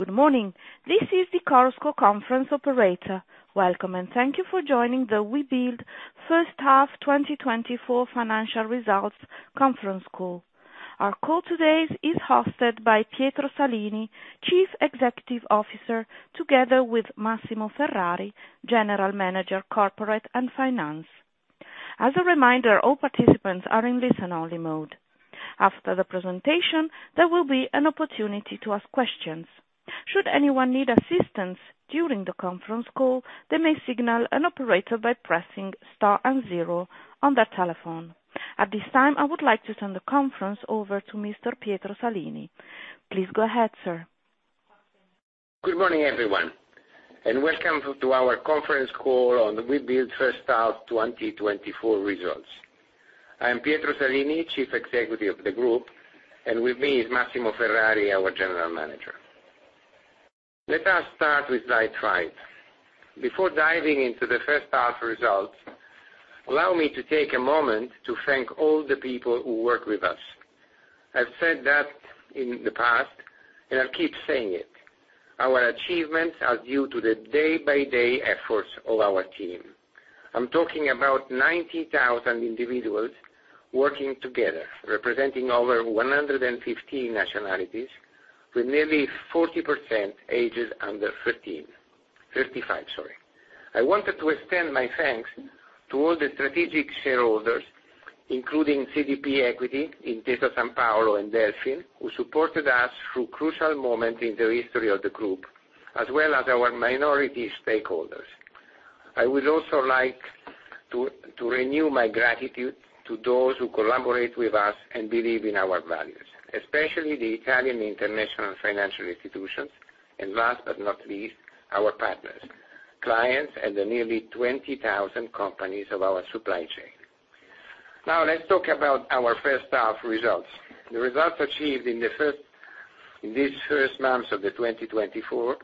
Good morning. This is the Webuild Conference operator. Welcome, and thank you for joining the Webuild first half 2024 financial results conference call. Our call today is hosted by Pietro Salini, Chief Executive Officer, together with Massimo Ferrari, General Manager, Corporate and Finance. As a reminder, all participants are in listen-only mode. After the presentation, there will be an opportunity to ask questions. Should anyone need assistance during the conference call, they may signal an operator by pressing star and zero on their telephone. At this time, I would like to turn the conference over to Mr. Pietro Salini. Please go ahead, sir. Good morning, everyone, and welcome to our conference call on the Webuild first half 2024 results. I am Pietro Salini, Chief Executive of the Group, and with me is Massimo Ferrari, our General Manager. Let us start with slide 5. Before diving into the first half results, allow me to take a moment to thank all the people who work with us. I've said that in the past, and I'll keep saying it. Our achievements are due to the day-by-day efforts of our team. I'm talking about 90,000 individuals working together, representing over 115 nationalities, with nearly 40% ages under 13... 35, sorry. I wanted to extend my thanks to all the strategic shareholders, including CDP Equity, Intesa Sanpaolo, and Delfin, who supported us through crucial moments in the history of the group, as well as our minority stakeholders. I would also like to renew my gratitude to those who collaborate with us and believe in our values, especially the Italian International Financial Institutions, and last but not least, our partners, clients, and the nearly 20,000 companies of our supply chain. Now, let's talk about our first half results. The results achieved in these first months of 2024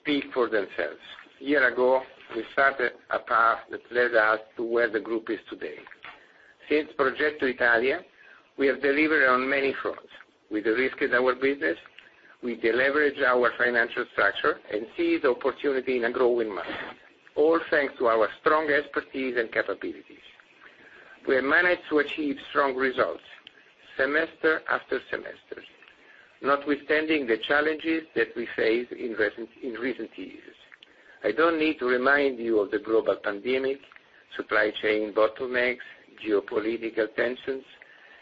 speak for themselves. A year ago, we started a path that led us to where the group is today. Since Progetto Italia, we have delivered on many fronts. With the risk in our business, we deleverage our financial structure and seize opportunity in a growing market, all thanks to our strong expertise and capabilities. We have managed to achieve strong results, semester after semester, notwithstanding the challenges that we face in recent years. I don't need to remind you of the global pandemic, supply chain bottlenecks, geopolitical tensions,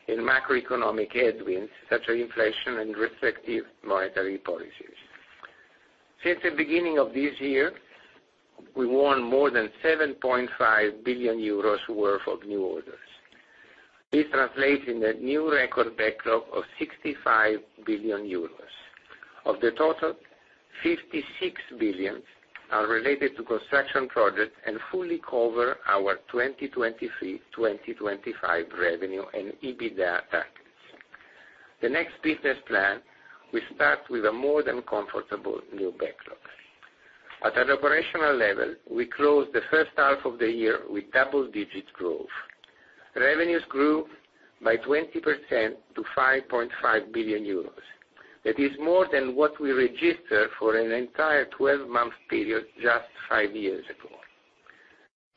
and macroeconomic headwinds, such as inflation and respective monetary policies. Since the beginning of this year, we won more than 7.5 billion euros worth of new orders. This translates in a new record backlog of 65 billion euros. Of the total, 56 billion are related to construction projects and fully cover our 2023, 2025 revenue and EBITDA targets. The next business plan, we start with a more than comfortable new backlogs. At an operational level, we closed the first half of the year with double-digit growth. Revenues grew by 20% to 5.5 billion euros. That is more than what we registered for an entire 12-month period, just 5 years ago.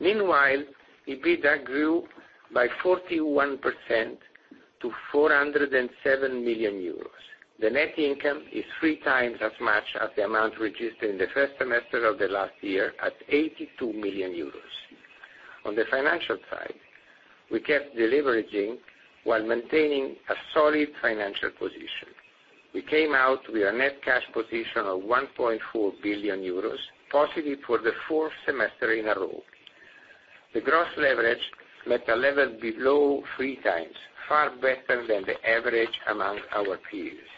Meanwhile, EBITDA grew by 41% to 407 million euros. The net income is 3 times as much as the amount registered in the first semester of the last year, at 82 million euros. On the financial side, we kept deleveraging while maintaining a solid financial position. We came out with a net cash position of 1.4 billion euros, positive for the fourth semester in a row. The gross leverage met a level below 3 times, far better than the average among our peers.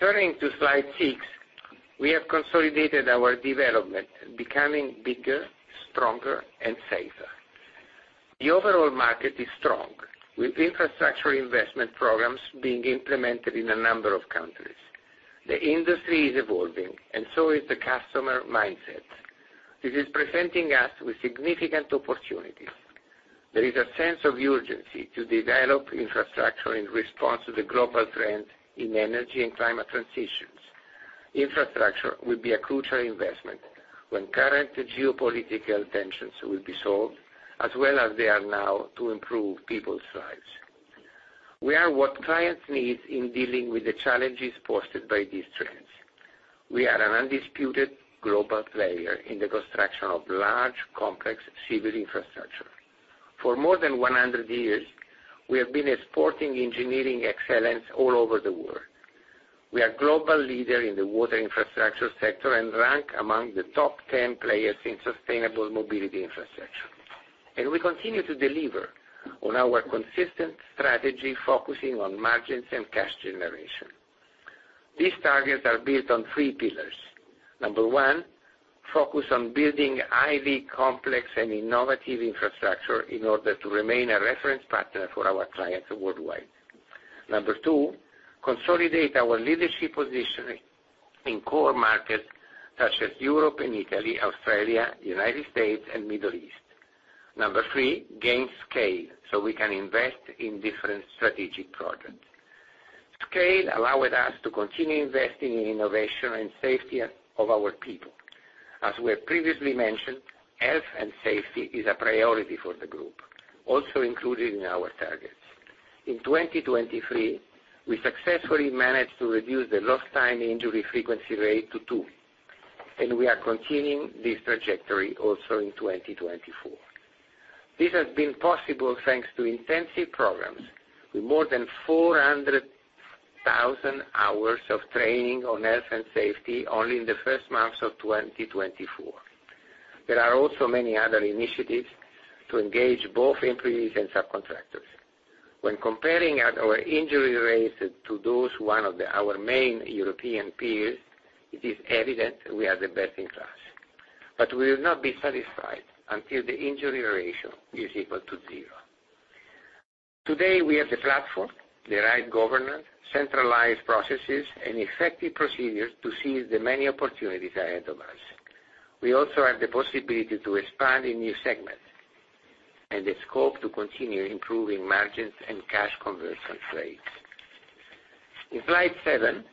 Turning to slide 6, we have consolidated our development, becoming bigger, stronger, and safer. The overall market is strong, with infrastructure investment programs being implemented in a number of countries. The industry is evolving, and so is the customer mindset. This is presenting us with significant opportunities. There is a sense of urgency to develop infrastructure in response to the global trend in energy and climate transitions. Infrastructure will be a crucial investment when current geopolitical tensions will be solved, as well as they are now to improve people's lives. We are what clients need in dealing with the challenges posed by these trends. We are an undisputed global player in the construction of large, complex civil infrastructure. For more than 100 years, we have been exporting engineering excellence all over the world. We are global leader in the water infrastructure sector and rank among the top 10 players in sustainable mobility infrastructure. We continue to deliver on our consistent strategy, focusing on margins and cash generation. These targets are built on three pillars. Number one, focus on building highly complex and innovative infrastructure in order to remain a reference partner for our clients worldwide. Number two, consolidate our leadership position in core markets such as Europe and Italy, Australia, United States, and Middle East. Number three, gain scale, so we can invest in different strategic projects. Scale allowed us to continue investing in innovation and safety of our people. As we have previously mentioned, health and safety is a priority for the group, also included in our targets. In 2023, we successfully managed to reduce the lost time injury frequency rate to 2, and we are continuing this trajectory also in 2024. This has been possible thanks to intensive programs, with more than 400,000 hours of training on health and safety only in the first months of 2024. There are also many other initiatives to engage both employees and subcontractors. When comparing our injury rates to those of our main European peers, it is evident we are the best in class. But we will not be satisfied until the injury ratio is equal to 0. Today, we have the platform, the right governance, centralized processes, and effective procedures to seize the many opportunities ahead of us. We also have the possibility to expand in new segments, and the scope to continue improving margins and cash conversion rates. In slide 7,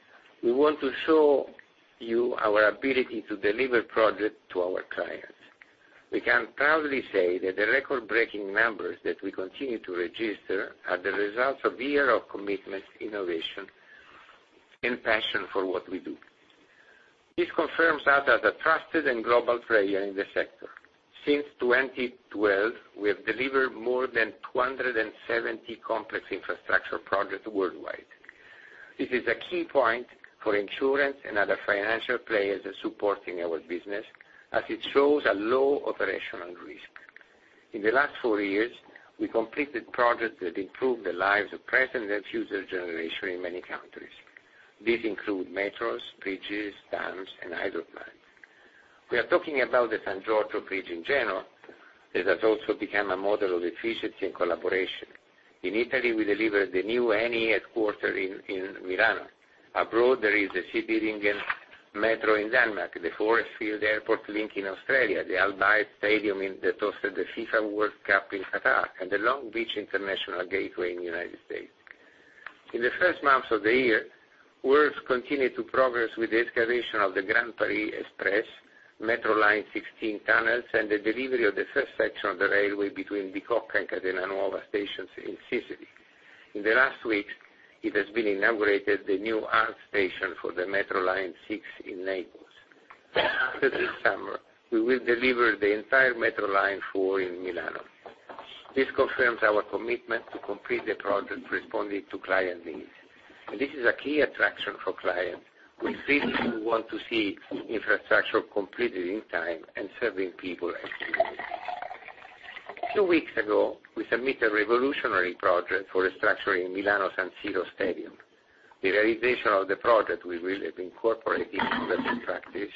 we want to show you our ability to deliver projects to our clients. We can proudly say that the record-breaking numbers that we continue to register are the results of years of commitment, innovation, and passion for what we do. This confirms us as a trusted and global player in the sector. Since 2012, we have delivered more than 270 complex infrastructure projects worldwide. This is a key point for insurance and other financial players supporting our business, as it shows a low operational risk. In the last four years, we completed projects that improved the lives of present and future generation in many countries. These include metros, bridges, dams, and hydro plants. We are talking about the San Giorgio Bridge in Genoa, that has also become a model of efficiency and collaboration. In Italy, we delivered the new ENI Headquarters in Milan. Abroad, there is the Cityringen Metro in Denmark, the Forrestfield-Airport Link in Australia, the Al Bayt Stadium in the host of the FIFA World Cup in Qatar, and the Long Beach International Gateway in the United States. In the first months of the year, works continued to progress with the excavation of the Grand Paris Express, Metro Line 16 tunnels, and the delivery of the first section of the railway between Bicocca and Catania Nuova stations in Sicily. In the last weeks, it has been inaugurated, the new art station for the Metro Line 6 in Naples. After this summer, we will deliver the entire Metro Line 4 in Milano. This confirms our commitment to complete the project responding to client needs, and this is a key attraction for clients. We feel people want to see infrastructure completed in time and serving people and community. Two weeks ago, we submitted a revolutionary project for restructuring Milano-San Siro Stadium. The realization of the project we will have incorporated into the contractors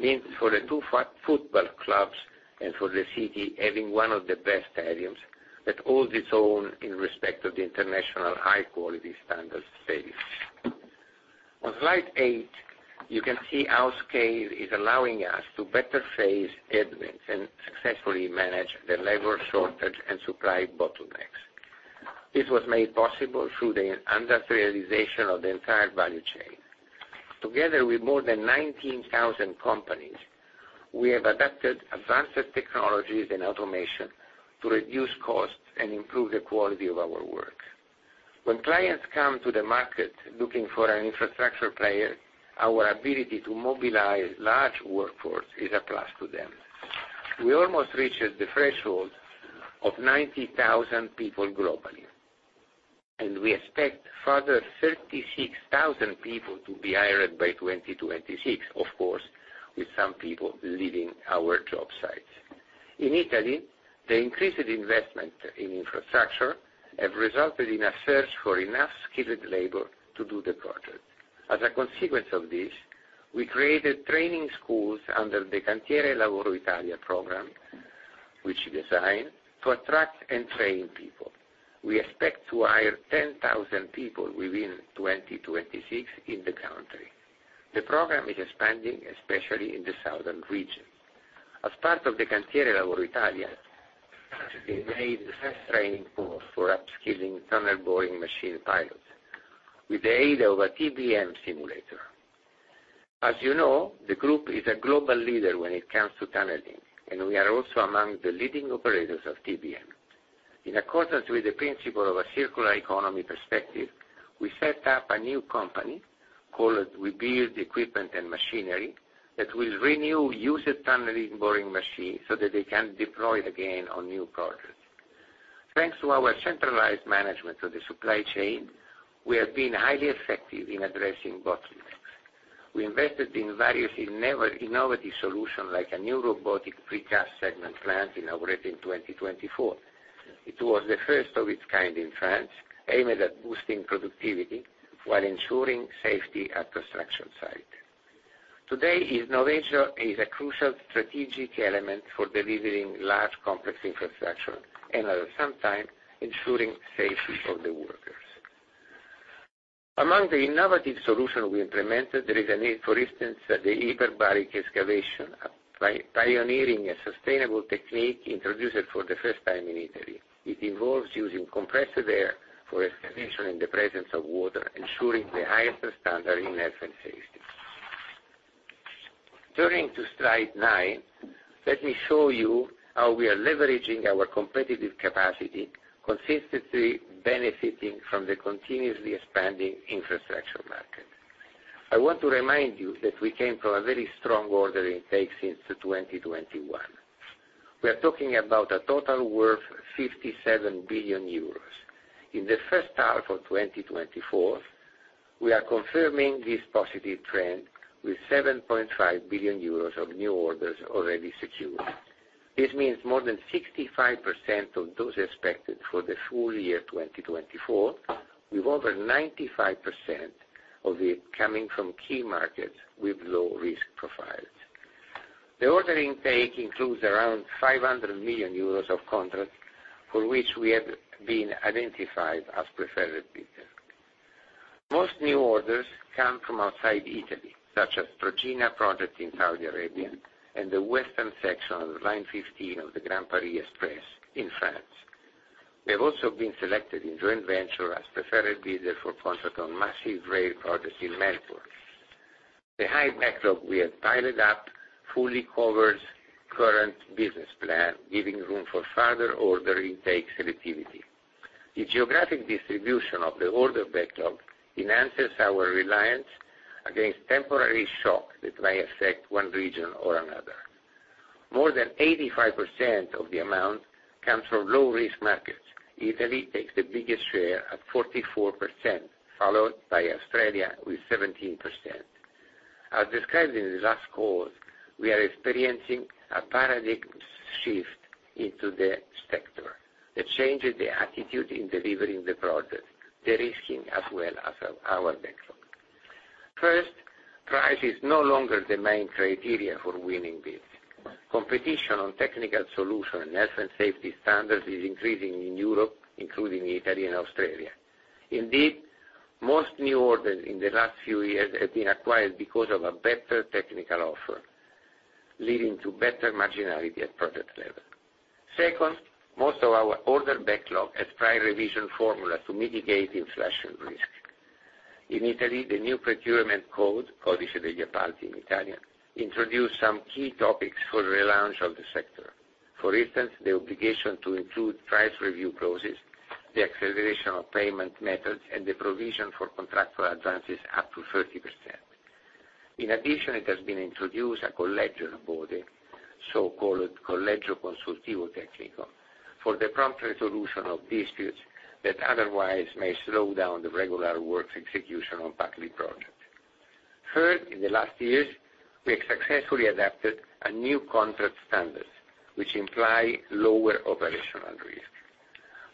means for the two football clubs and for the city, having one of the best stadiums that holds its own in respect of the international high-quality standards stage. On slide 8, you can see how scale is allowing us to better phase admins, and successfully manage the labor shortage and supply bottlenecks. This was made possible through the industry realization of the entire value chain. Together with more than 19,000 companies, we have adapted advanced technologies and automation to reduce costs and improve the quality of our work. When clients come to the market looking for an infrastructure player, our ability to mobilize large workforce is a plus to them. We almost reached the threshold of 90,000 people globally, and we expect further 36,000 people to be hired by 2026, of course, with some people leaving our job sites. In Italy, the increased investment in infrastructure have resulted in a search for enough skilled labor to do the project. As a consequence of this, we created training schools under the Cantiere Lavoro Italia program, which is designed to attract and train people. We expect to hire 10,000 people within 2026 in the country. The program is expanding, especially in the southern region. As part of the Cantiere Lavoro Italia, we made the first training course for upskilling tunnel boring machine pilots, with the aid of a TBM simulator. As you know, the group is a global leader when it comes to tunneling, and we are also among the leading operators of TBM. In accordance with the principle of a circular economy perspective, we set up a new company, called Webuild Equipment & Machinery, that will renew used tunnel boring machines so that they can deploy again on new projects. Thanks to our centralized management of the supply chain, we have been highly effective in addressing bottlenecks. We invested in various innovative solutions, like a new robotic precast segment plant inaugurated in 2024. It was the first of its kind in France, aimed at boosting productivity while ensuring safety at construction site. Today, innovation is a crucial strategic element for delivering large complex infrastructure, and at the same time, ensuring safety of the workers. Among the innovative solution we implemented, there is a need, for instance, the hyperbaric excavation, a pioneering sustainable technique introduced for the first time in Italy. It involves using compressed air for excavation in the presence of water, ensuring the highest standard in health and safety. Turning to slide nine, let me show you how we are leveraging our competitive capacity, consistently benefiting from the continuously expanding infrastructure market. I want to remind you that we came from a very strong order intake since 2021. We are talking about a total worth 57 billion euros. In the first half of 2024, we are confirming this positive trend with 7.5 billion euros of new orders already secured. This means more than 65% of those expected for the full year 2024, with over 95% of it coming from key markets with low risk profiles. The order intake includes around 500 million euros of contracts, for which we have been identified as preferred bidder. Most new orders come from outside Italy, such as Trojena project in Saudi Arabia, and the western section of the Line 15 of the Grand Paris Express in France. We have also been selected in joint venture as preferred bidder for contract on massive rail projects in Melbourne. The high backlog we have piled up fully covers current business plan, giving room for further order intake selectivity. The geographic distribution of the order backlog enhances our reliance against temporary shock that may affect one region or another. More than 85% of the amount comes from low-risk markets. Italy takes the biggest share at 44%, followed by Australia, with 17%. As described in the last call, we are experiencing a paradigm shift into the sector. The change in the attitude in delivering the project, de-risking as well as, our backlog. First, price is no longer the main criteria for winning bids. Competition on technical solution and health and safety standards is increasing in Europe, including Italy and Australia. Indeed, most new orders in the last few years have been acquired because of a better technical offer, leading to better marginality at project level. Second, most of our order backlog has price revision formula to mitigate inflation risk. In Italy, the new procurement code, Codice degli Appalti, in Italian, introduced some key topics for the relaunch of the sector. For instance, the obligation to include price review process, the acceleration of payment methods, and the provision for contractual advances up to 30%. In addition, it has been introduced a collegial body, so-called Collegio Consultivo Tecnico, for the prompt resolution of disputes that otherwise may slow down the regular work execution on public project. Third, in the last years, we have successfully adopted new contract standards, which imply lower operational risk.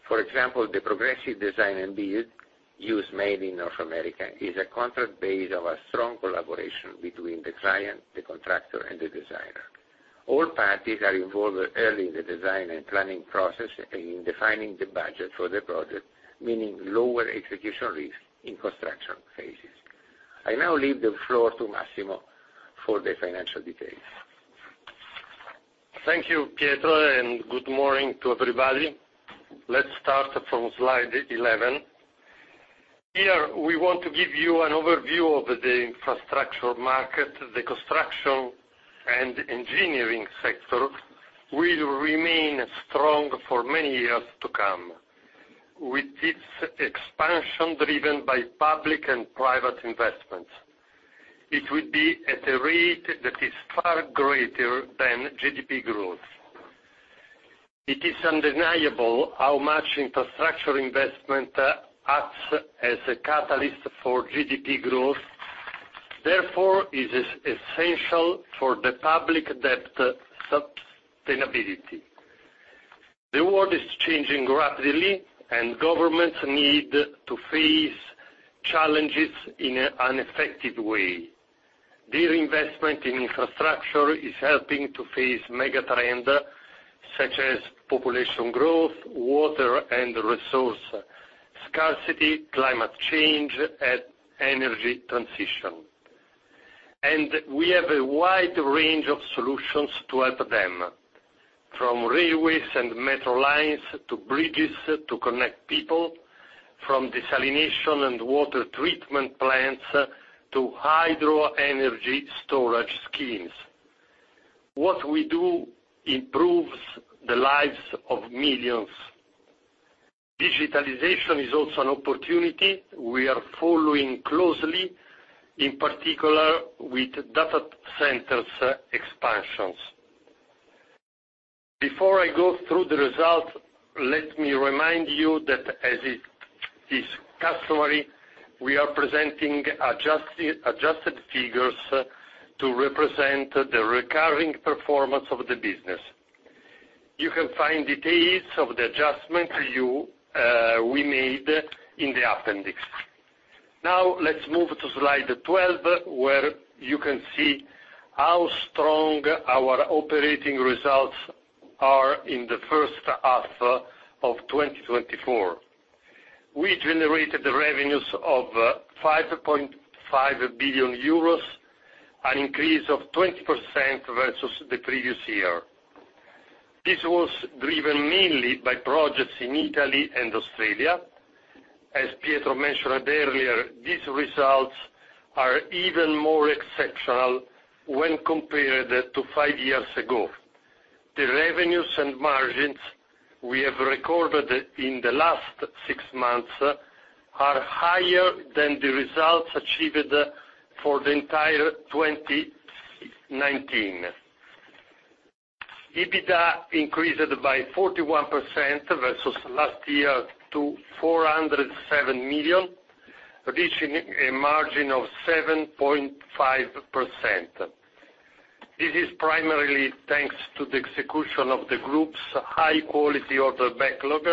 For example, the progressive design and build, used mainly in North America, is a contract based on a strong collaboration between the client, the contractor, and the designer. All parties are involved early in the design and planning process, in defining the budget for the project, meaning lower execution risk in construction phases. I now leave the floor to Massimo for the financial details. Thank you, Pietro, and good morning to everybody. Let's start from slide 11. Here, we want to give you an overview of the infrastructure market. The construction and engineering sector will remain strong for many years to come, with its expansion driven by public and private investments. It will be at a rate that is far greater than GDP growth. It is undeniable how much infrastructure investment acts as a catalyst for GDP growth, therefore is essential for the public debt sustainability. The world is changing rapidly, and governments need to face challenges in an effective way. Their investment in infrastructure is helping to face mega trend, such as population growth, water and resource scarcity, climate change, and energy transition. We have a wide range of solutions to help them, from railways and metro lines, to bridges, to connect people, from desalination and water treatment plants, to hydro energy storage schemes. What we do improves the lives of millions. Digitalization is also an opportunity we are following closely, in particular, with data centers expansions. Before I go through the result, let me remind you that as it is customary, we are presenting adjusted figures to represent the recurring performance of the business. You can find details of the adjustment we made in the appendix. Now, let's move to slide 12, where you can see how strong our operating results are in the first half of 2024. We generated revenues of 5.5 billion euros, an increase of 20% versus the previous year. This was driven mainly by projects in Italy and Australia. As Pietro mentioned earlier, these results are even more exceptional when compared to 5 years ago. The revenues and margins we have recorded in the last 6 months are higher than the results achieved for the entire 2019. EBITDA increased by 41% versus last year to 407 million, reaching a margin of 7.5%. This is primarily thanks to the execution of the group's high quality order backlog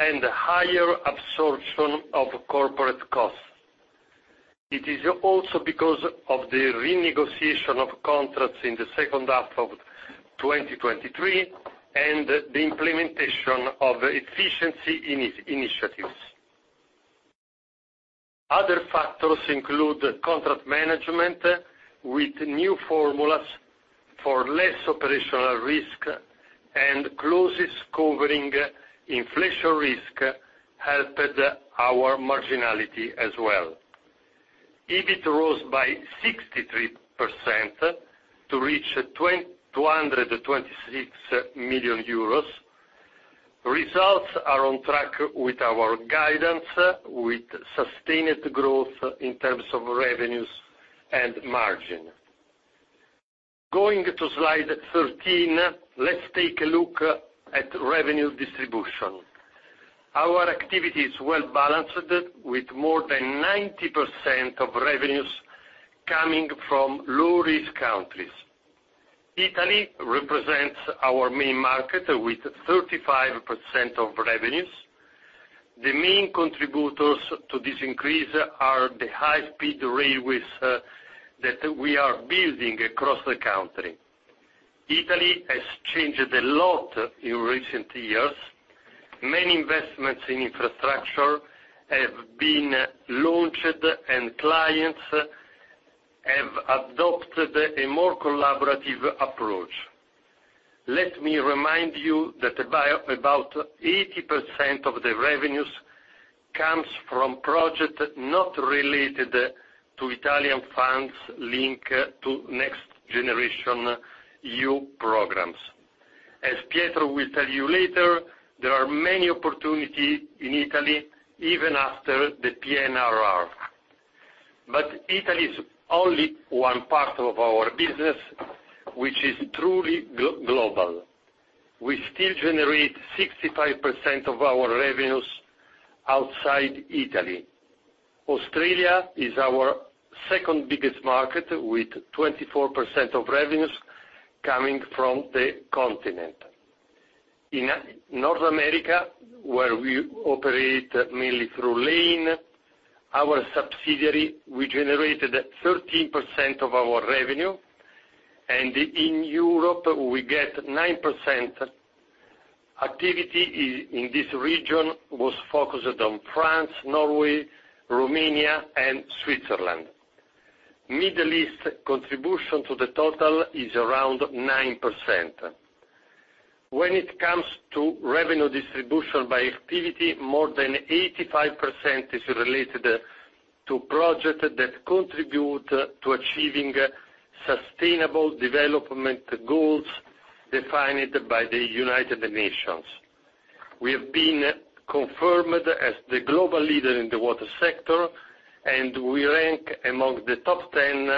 and higher absorption of corporate costs. It is also because of the renegotiation of contracts in the second half of 2023 and the implementation of efficiency initiatives. Other factors include contract management with new formulas for less operational risk, and clauses covering inflation risk helped our marginality as well. EBIT rose by 63% to reach two hundred and twenty-six million euros. Results are on track with our guidance, with sustained growth in terms of revenues and margin. Going to slide 13, let's take a look at revenue distribution. Our activity is well-balanced, with more than 90% of revenues coming from low-risk countries. Italy represents our main market, with 35% of revenues. The main contributors to this increase are the high-speed railways that we are building across the country. Italy has changed a lot in recent years. Many investments in infrastructure have been launched, and clients have adopted a more collaborative approach. Let me remind you that about, about 80% of the revenues comes from project not related to Italian funds linked to next generation EU programs. As Pietro will tell you later, there are many opportunity in Italy, even after the PNRR. But Italy is only one part of our business, which is truly global. We still generate 65% of our revenues outside Italy. Australia is our second biggest market, with 24% of revenues coming from the continent. In North America, where we operate mainly through Lane, our subsidiary, we generated 13% of our revenue, and in Europe, we get 9%. Activity in this region was focused on France, Norway, Romania, and Switzerland. Middle East contribution to the total is around 9%. When it comes to revenue distribution by activity, more than 85% is related to project that contribute to achieving sustainable development goals defined by the United Nations. We have been confirmed as the global leader in the water sector, and we rank among the top 10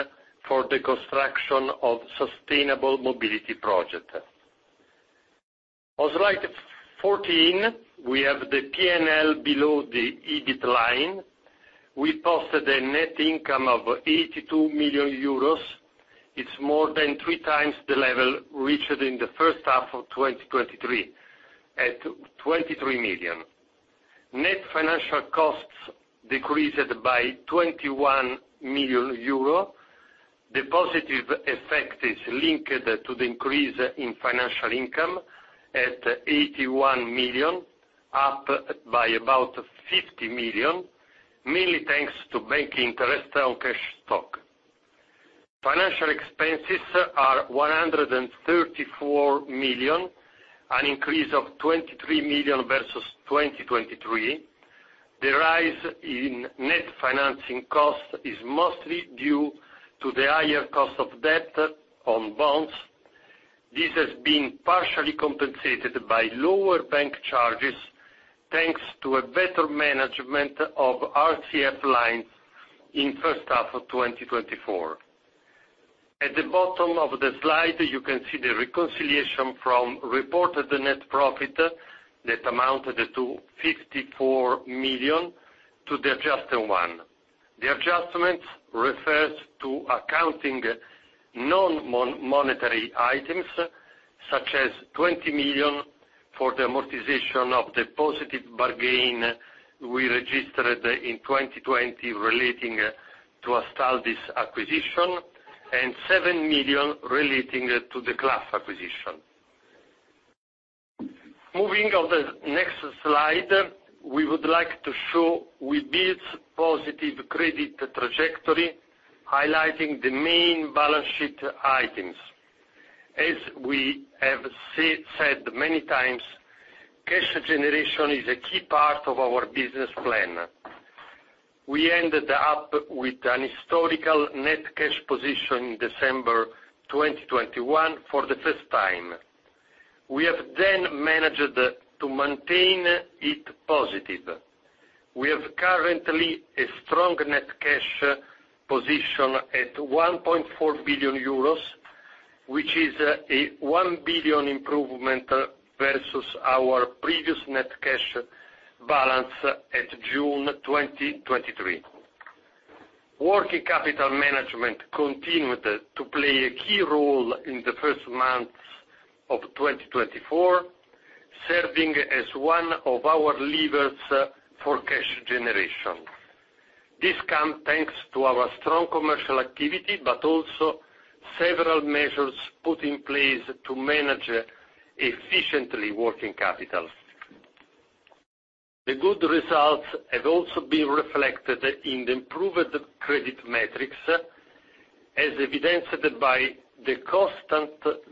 for the construction of sustainable mobility project. On slide 14, we have the P&L below the EBIT line. We posted a net income of 82 million euros. It's more than three times the level reached in the first half of 2023, at 23 million. Net financial costs decreased by 21 million euro. The positive effect is linked to the increase in financial income at 81 million, up by about 50 million, mainly thanks to bank interest on cash stock. Financial expenses are 134 million, an increase of 23 million versus 2023. The rise in net financing costs is mostly due to the higher cost of debt on bonds. This has been partially compensated by lower bank charges, thanks to a better management of RCF lines in first half of 2024. At the bottom of the slide, you can see the reconciliation from reported net profit that amounted to 54 million to the adjusted one. The adjustment refers to accounting non-monetary items, such as 20 million-... for the amortization of the positive bargain we registered in 2020 relating to Astaldi's acquisition, and 7 million relating to the Clough acquisition. Moving on the next slide, we would like to show Webuild's positive credit trajectory, highlighting the main balance sheet items. As we have said, said many times, cash generation is a key part of our business plan. We ended up with a historical net cash position in December 2021 for the first time. We have then managed to maintain it positive. We have currently a strong net cash position at 1.4 billion euros, which is a 1 billion improvement versus our previous net cash balance at June 2023. Working capital management continued to play a key role in the first months of 2024, serving as one of our levers for cash generation. This comes thanks to our strong commercial activity, but also several measures put in place to manage efficiently working capital. The good results have also been reflected in the improved credit metrics, as evidenced by the constant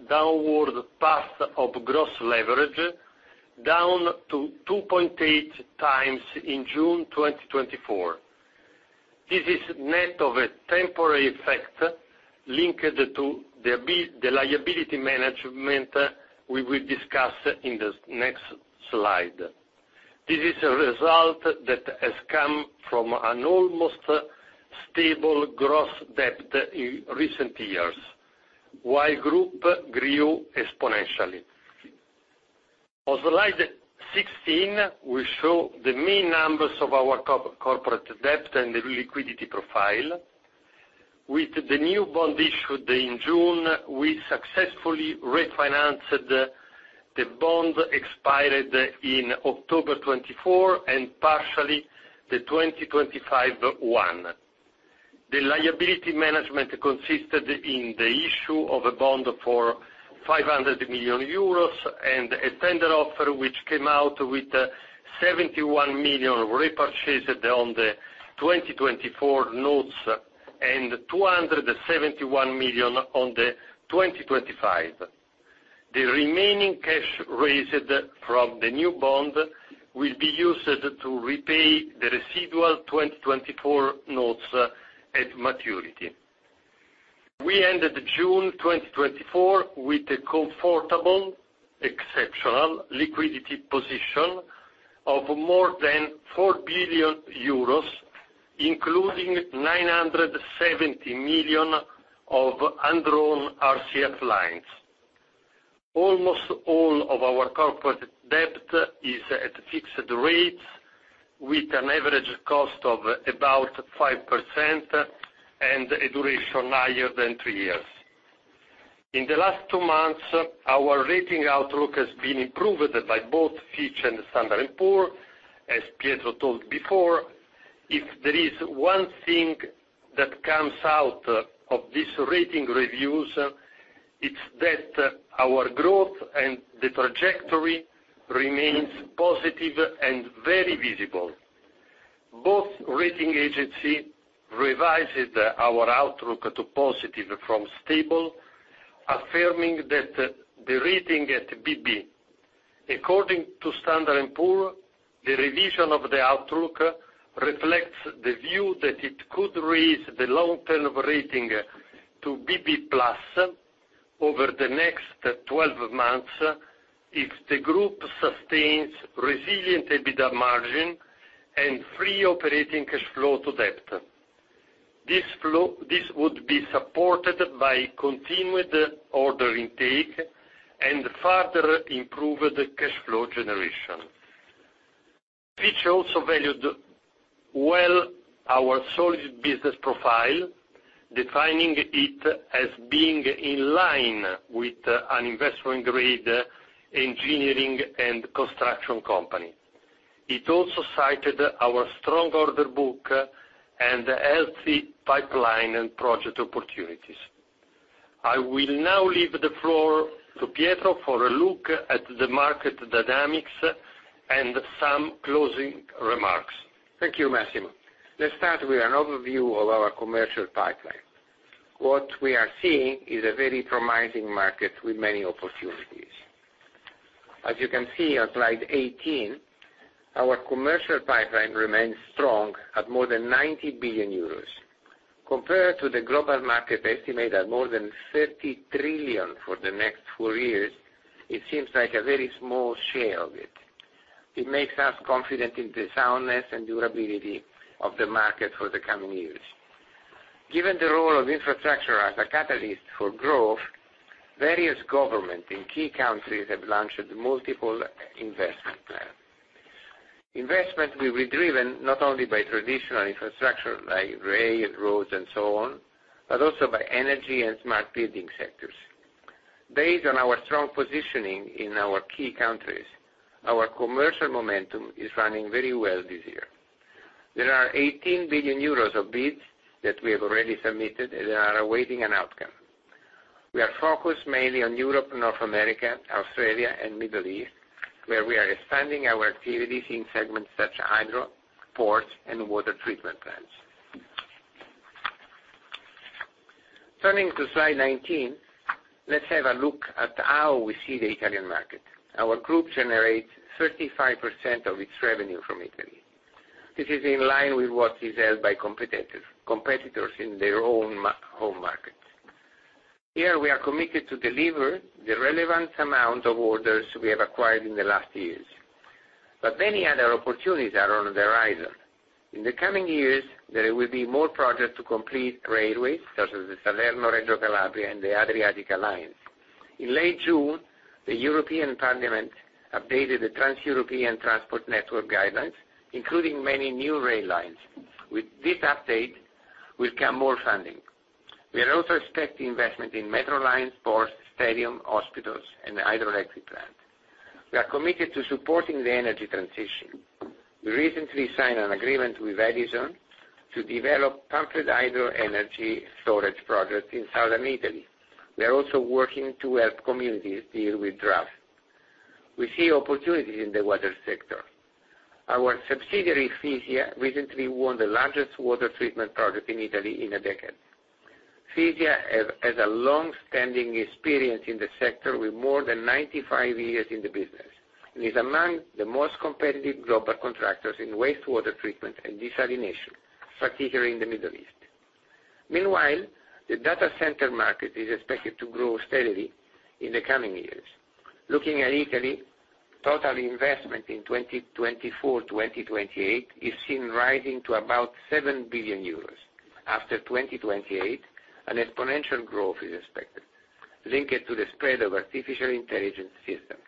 downward path of gross leverage, down to 2.8 times in June 2024. This is net of a temporary effect linked to the liability management we will discuss in the next slide. This is a result that has come from an almost stable gross debt in recent years, while group grew exponentially. On slide 16, we show the main numbers of our corporate debt and the liquidity profile. With the new bond issued in June, we successfully refinanced the bond expired in October 2024, and partially the 2025 one. The liability management consisted in the issue of a bond for 500 million euros, and a tender offer, which came out with 71 million repurchased on the 2024 notes, and 271 million on the 2025. The remaining cash raised from the new bond will be used to repay the residual 2024 notes at maturity. We ended June 2024 with a comfortable, exceptional liquidity position of more than 4 billion euros, including 970 million of undrawn RCF lines. Almost all of our corporate debt is at fixed rates, with an average cost of about 5%, and a duration higher than 3 years. In the last two months, our rating outlook has been improved by both Fitch and S&P. As Pietro told before, if there is one thing that comes out of these rating reviews, it's that our growth and the trajectory remains positive and very visible. Both rating agency revised our outlook to positive from stable, affirming that the rating at BB. According to S&P Global Ratings, the revision of the outlook reflects the view that it could raise the long-term rating to BB+ over the next 12 months, if the group sustains resilient EBITDA margin and free operating cash flow to debt. This would be supported by continued order intake and further improved cash flow generation. Fitch Ratings also valued well our solid business profile, defining it as being in line with an investment-grade engineering and construction company. It also cited our strong order book and healthy pipeline and project opportunities. I will now leave the floor to Pietro for a look at the market dynamics and some closing remarks. Thank you, Massimo. Let's start with an overview of our commercial pipeline. What we are seeing is a very promising market with many opportunities. As you can see on slide 18, our commercial pipeline remains strong at more than 90 billion euros. Compared to the global market estimate at more than 30 trillion for the next four years, it seems like a very small share of it. It makes us confident in the soundness and durability of the market for the coming years. Given the role of infrastructure as a catalyst for growth, various government in key countries have launched multiple investment plans.... Investment will be driven not only by traditional infrastructure, like rail and roads and so on, but also by energy and smart building sectors. Based on our strong positioning in our key countries, our commercial momentum is running very well this year. There are 18 billion euros of bids that we have already submitted, and they are awaiting an outcome. We are focused mainly on Europe, North America, Australia, and Middle East, where we are expanding our activities in segments such as hydro, ports, and water treatment plants. Turning to slide 19, let's have a look at how we see the Italian market. Our group generates 35% of its revenue from Italy. This is in line with what is held by competitors in their own market home markets. Here, we are committed to deliver the relevant amount of orders we have acquired in the last years, but many other opportunities are on the horizon. In the coming years, there will be more projects to complete railways, such as the Salerno-Reggio Calabria, and the Adriatic Line. In late June, the European Parliament updated the Trans-European Transport Network guidelines, including many new rail lines. With this update, will come more funding. We are also expecting investment in metro lines, ports, stadium, hospitals, and the hydroelectric plant. We are committed to supporting the energy transition. We recently signed an agreement with Edison to develop pumped hydro energy storage projects in southern Italy. We are also working to help communities deal with drought. We see opportunities in the water sector. Our subsidiary, Fisia, recently won the largest water treatment project in Italy in a decade. Fisia has a long-standing experience in the sector, with more than 95 years in the business, and is among the most competitive global contractors in wastewater treatment and desalination, particularly in the Middle East. Meanwhile, the data center market is expected to grow steadily in the coming years. Looking at Italy, total investment in 2024-2028 is seen rising to about 7 billion euros. After 2028, an exponential growth is expected, linked to the spread of artificial intelligence systems,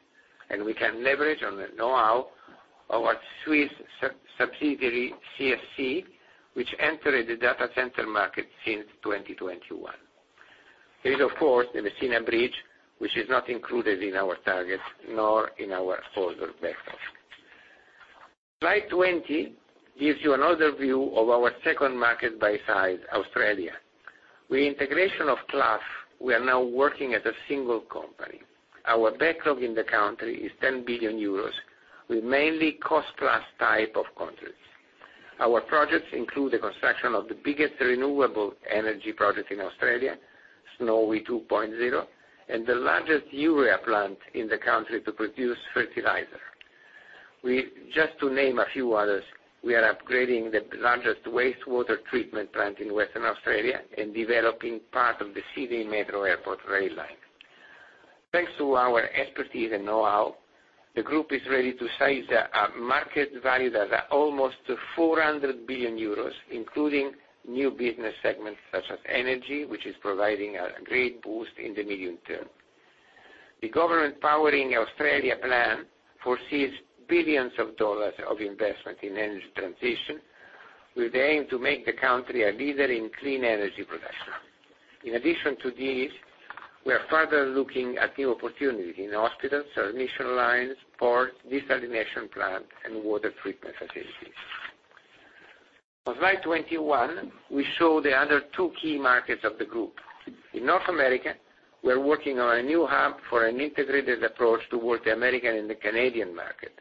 and we can leverage on the know-how of our Swiss sub-subsidiary, CSC, which entered the data center market since 2021. There is, of course, the Messina Bridge, which is not included in our targets, nor in our order backlog. Slide 20 gives you another view of our second market by size, Australia. With integration of Clough, we are now working as a single company. Our backlog in the country is 10 billion euros, with mainly cost-plus type of contracts. Our projects include the construction of the biggest renewable energy project in Australia, Snowy 2.0, and the largest urea plant in the country to produce fertilizer. We... Just to name a few others, we are upgrading the largest wastewater treatment plant in Western Australia, and developing part of the Sydney Metro Airport rail line. Thanks to our expertise and know-how, the group is ready to seize a market value that are almost 400 billion euros, including new business segments such as energy, which is providing a great boost in the medium term. The government Powering Australia plan foresees billions dollars of investment in energy transition, with the aim to make the country a leader in clean energy production. In addition to this, we are further looking at new opportunities in hospitals, transmission lines, ports, desalination plants, and water treatment facilities. On slide 21, we show the other two key markets of the group. In North America, we are working on a new hub for an integrated approach towards the American and the Canadian market,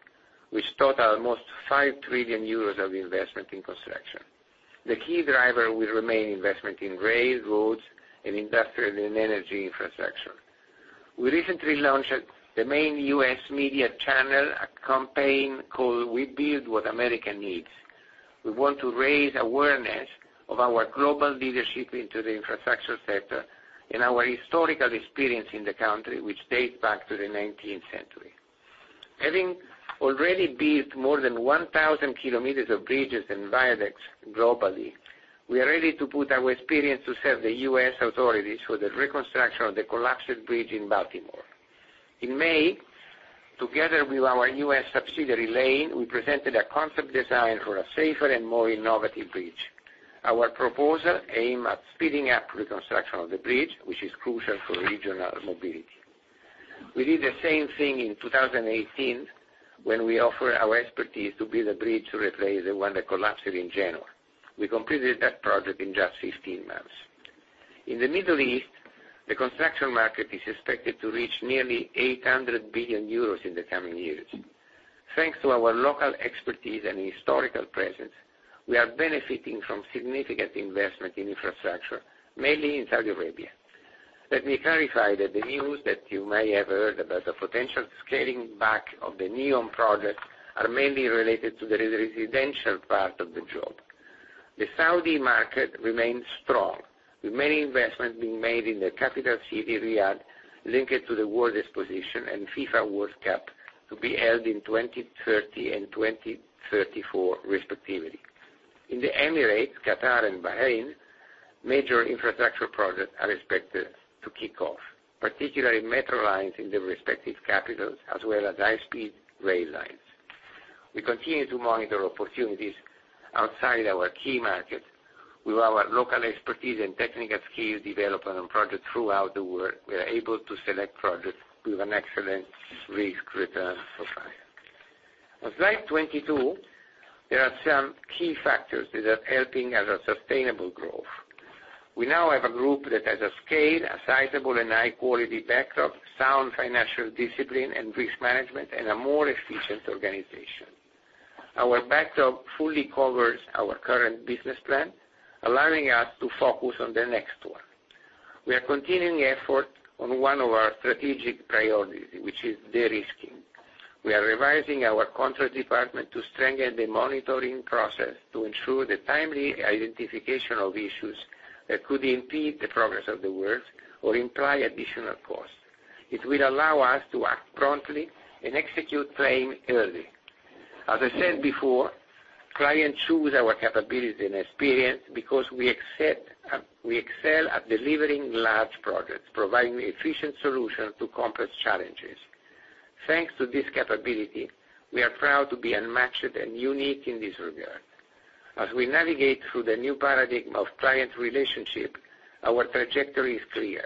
which total almost 5 trillion euros of investment in construction. The key driver will remain investment in rail, roads, and industrial and energy infrastructure. We recently launched at the main U.S. media channel, a campaign called We Build What America Needs. We want to raise awareness of our global leadership into the infrastructure sector and our historical experience in the country, which dates back to the nineteenth century. Having already built more than 1,000 kilometers of bridges and viaducts globally, we are ready to put our experience to serve the U.S. authorities for the reconstruction of the collapsed bridge in Baltimore. In May, together with our U.S. subsidiary, Lane, we presented a concept design for a safer and more innovative bridge. Our proposal aim at speeding up reconstruction of the bridge, which is crucial for regional mobility. We did the same thing in 2018, when we offered our expertise to build a bridge to replace the one that collapsed in Genoa. We completed that project in just 15 months. In the Middle East, the construction market is expected to reach nearly 800 billion euros in the coming years. Thanks to our local expertise and historical presence, we are benefiting from significant investment in infrastructure, mainly in Saudi Arabia. Let me clarify that the news that you may have heard about the potential scaling back of the NEOM project are mainly related to the residential part of the job. The Saudi market remains strong, with many investments being made in the capital city, Riyadh, linked to the World Exposition and FIFA World Cup, to be held in 2030 and 2034 respectively. In the Emirates, Qatar, and Bahrain, major infrastructure projects are expected to kick off, particularly metro lines in the respective capitals, as well as high-speed rail lines. We continue to monitor opportunities outside our key markets. With our local expertise and technical skills development on projects throughout the world, we are able to select projects with an excellent risk-return profile. On slide 22, there are some key factors that are helping as a sustainable growth. We now have a group that has a scale, a sizable, and high-quality backdrop, sound financial discipline and risk management, and a more efficient organization. Our backdrop fully covers our current business plan, allowing us to focus on the next one. We are continuing effort on one of our strategic priorities, which is de-risking. We are revising our contract department to strengthen the monitoring process, to ensure the timely identification of issues that could impede the progress of the work or imply additional costs. It will allow us to act promptly and execute plans early. As I said before, clients choose our capability and experience because we accept, we excel at delivering large projects, providing efficient solutions to complex challenges. Thanks to this capability, we are proud to be unmatched and unique in this regard. As we navigate through the new paradigm of client relationship, our trajectory is clear.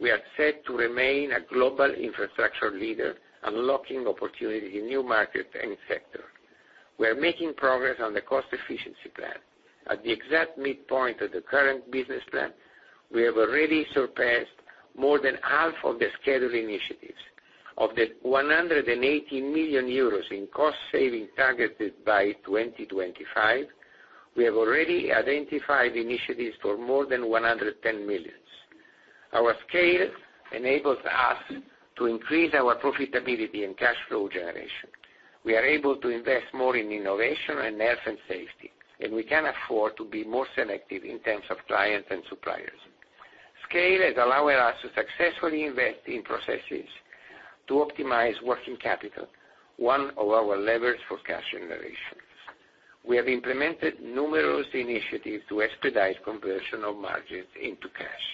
We are set to remain a global infrastructure leader, unlocking opportunity in new markets and sectors. We are making progress on the cost efficiency plan. At the exact midpoint of the current business plan, we have already surpassed more than half of the scheduled initiatives. Of the 180 million euros in cost savings targeted by 2025, we have already identified initiatives for more than 110 million. Our scale enables us to increase our profitability and cash flow generation. We are able to invest more in innovation and health and safety, and we can afford to be more selective in terms of clients and suppliers. Scale is allowing us to successfully invest in processes to optimize working capital, one of our levers for cash generations. We have implemented numerous initiatives to expedite conversion of margins into cash.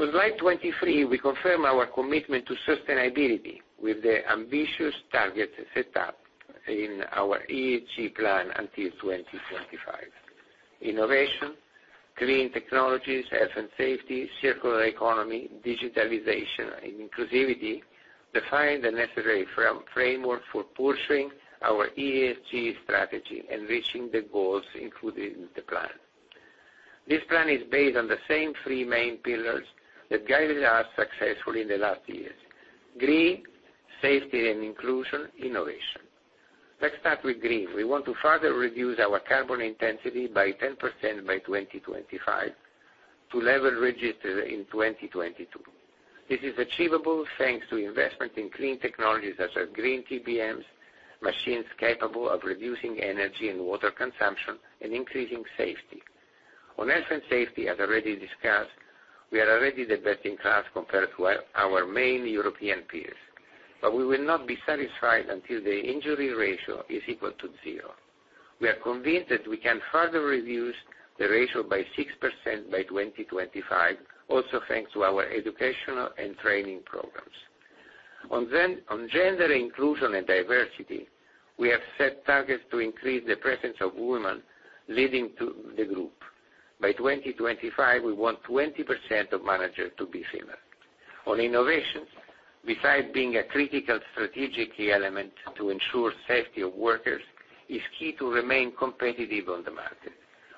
On slide 23, we confirm our commitment to sustainability with the ambitious targets set up in our ESG plan until 2025. Innovation, clean technologies, health and safety, circular economy, digitalization, and inclusivity define the necessary framework for pursuing our ESG strategy and reaching the goals included in the plan. This plan is based on the same three main pillars that guided us successfully in the last years: green, safety and inclusion, innovation. Let's start with green. We want to further reduce our carbon intensity by 10% by 2025 to level registered in 2022. This is achievable thanks to investment in clean technologies, such as Green TBMs, machines capable of reducing energy and water consumption, and increasing safety. On health and safety, as already discussed, we are already the best in class compared to our main European peers, but we will not be satisfied until the injury ratio is equal to zero. We are convinced that we can further reduce the ratio by 6% by 2025, also thanks to our educational and training programs. On gender inclusion and diversity, we have set targets to increase the presence of women leading to the group. By 2025, we want 20% of managers to be female. On innovation, besides being a critical strategic element to ensure safety of workers, is key to remain competitive on the market.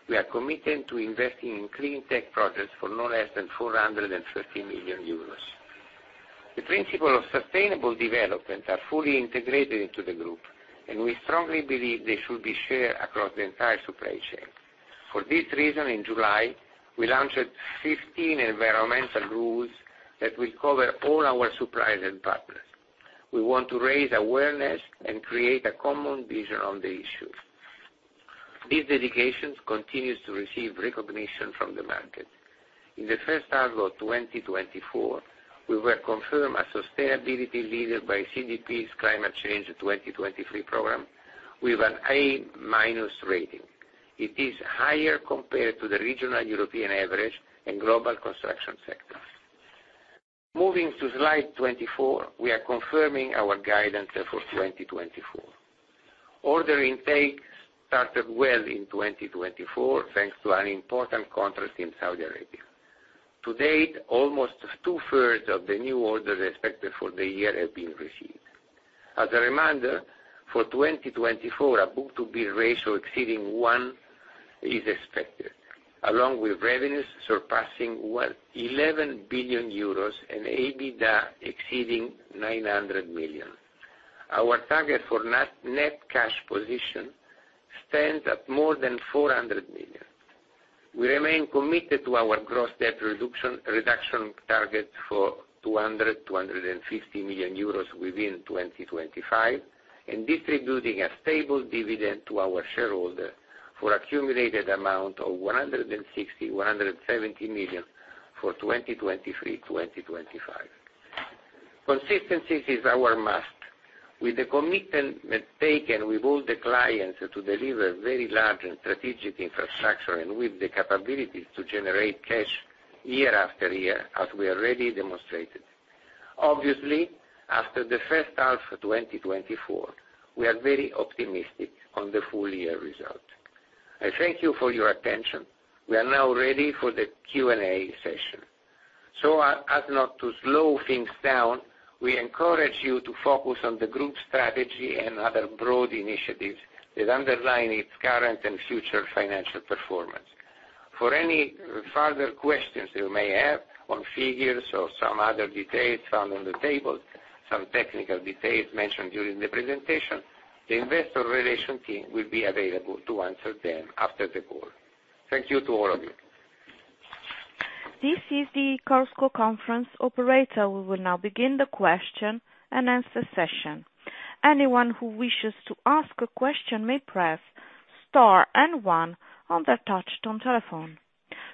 We are committed to investing in clean tech projects for no less than 450 million euros. The principle of sustainable development are fully integrated into the group, and we strongly believe they should be shared across the entire supply chain. For this reason, in July, we launched 15 environmental rules that will cover all our suppliers and partners. We want to raise awareness and create a common vision on the issue. This dedication continues to receive recognition from the market. In the first half of 2024, we were confirmed as sustainability leader by CDP's Climate Change 2023 program, with an A- rating. It is higher compared to the regional European average and global construction sector. Moving to slide 24, we are confirming our guidance for 2024. Order intake started well in 2024, thanks to an important contract in Saudi Arabia. To date, almost two-thirds of the new orders expected for the year have been received. As a reminder, for 2024, a book-to-bill ratio exceeding one is expected, along with revenues surpassing 1.1 billion euros and EBITDA exceeding 900 million. Our target for net cash position stands at more than 400 million. We remain committed to our gross debt reduction target for 200 million-250 million euros within 2025, and distributing a stable dividend to our shareholders for accumulated amount of 160 million-170 million for 2023-2025. Consistency is our must. With the commitment taken with all the clients to deliver very large and strategic infrastructure and with the capabilities to generate cash year after year, as we already demonstrated. Obviously, after the first half of 2024, we are very optimistic on the full year result. I thank you for your attention. We are now ready for the Q&A session. So, as not to slow things down, we encourage you to focus on the group's strategy and other broad initiatives that underline its current and future financial performance. For any further questions you may have on figures or some other details found on the table, some technical details mentioned during the presentation, the investor relations team will be available to answer them after the call. Thank you to all of you. This is the calls conference operator. We will now begin the question and answer session. Anyone who wishes to ask a question may press star and one on their touch tone telephone.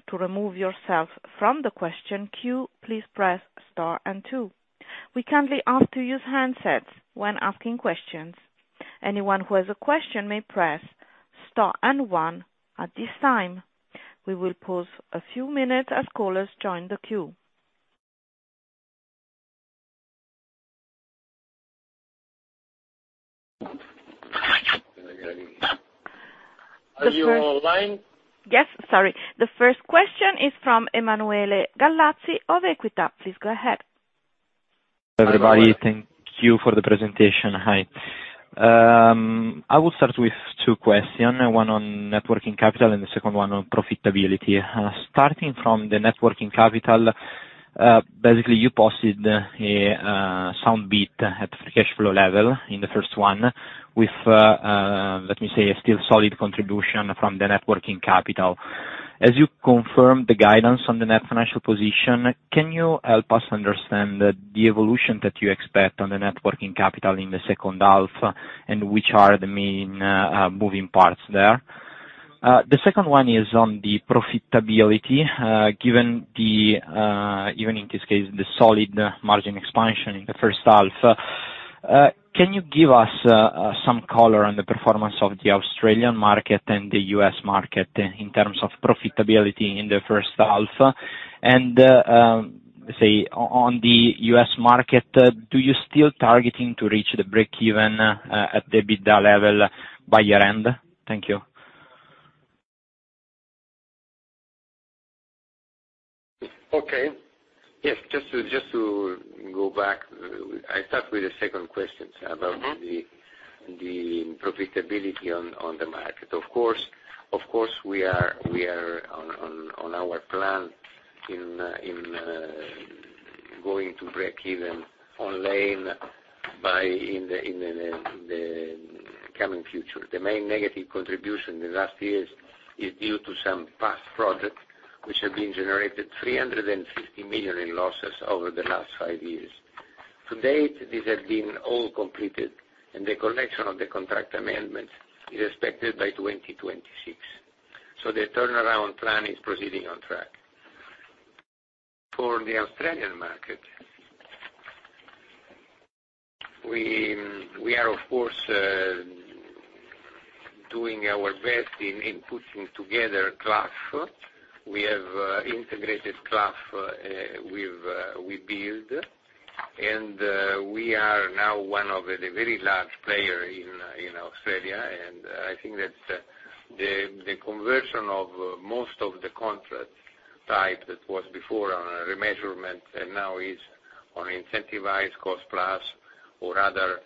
To remove yourself from the question queue, please press star and two. We kindly ask to use handsets when asking questions. Anyone who has a question may press star and one at this time. We will pause a few minutes as callers join the queue. Are you online? Yes, sorry. The first question is from Emanuele Gallazzi of Equita. Please go ahead. Everybody, thank you for the presentation. Hi. I will start with two questions, one on net working capital and the second one on profitability. Starting from the net working capital, basically, you posted a sound beat at the cash flow level in the first half with, let me say, a still solid contribution from the net working capital. As you confirm the guidance on the net financial position, can you help us understand the evolution that you expect on the net working capital in the second half, and which are the main moving parts there? The second one is on the profitability. Given the, even in this case, the solid margin expansion in the first half, can you give us some color on the performance of the Australian market and the U.S. market in terms of profitability in the first half? On the U.S. market, do you still targeting to reach the break even, at the EBITDA level by year-end? Thank you. Okay. Yes, just to, just to go back, I start with the second question about- Mm-hmm. The profitability on the market. Of course, we are on our plan in going to break even on Lane by in the coming future. The main negative contribution in the last years is due to some past projects, which have been generated 350 million in losses over the last five years. To date, these have all been completed, and the collection of the contract amendments is expected by 2026. So the turnaround plan is proceeding on track. For the Australian market, we are of course doing our best in putting together Clough. We have integrated Clough with Webuild, and we are now one of the very large player in Australia, and I think that the conversion of most of the contract type that was before on a remeasurement and now is on incentivized cost plus or other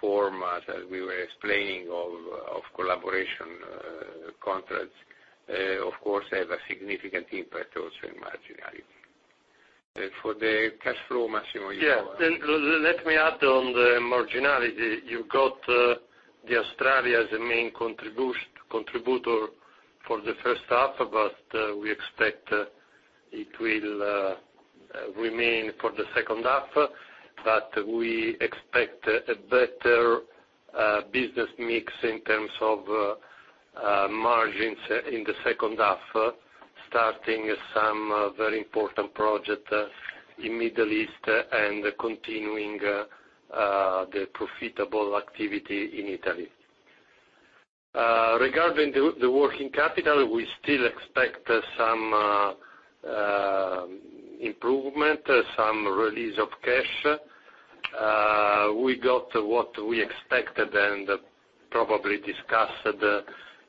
forms, as we were explaining, of collaboration contracts, of course, have a significant impact also in marginality. For the cash flow, Massimo, you go. Yeah. Let me add on the marginality. You got, the Australia as the main contributor for the first half, but, we expect, it will remain for the second half, but we expect a better business mix in terms of, margins in the second half, starting some very important project, in Middle East and continuing, the profitable activity in Italy. Regarding the, the working capital, we still expect some, improvement, some release of cash. We got what we expected and probably discussed,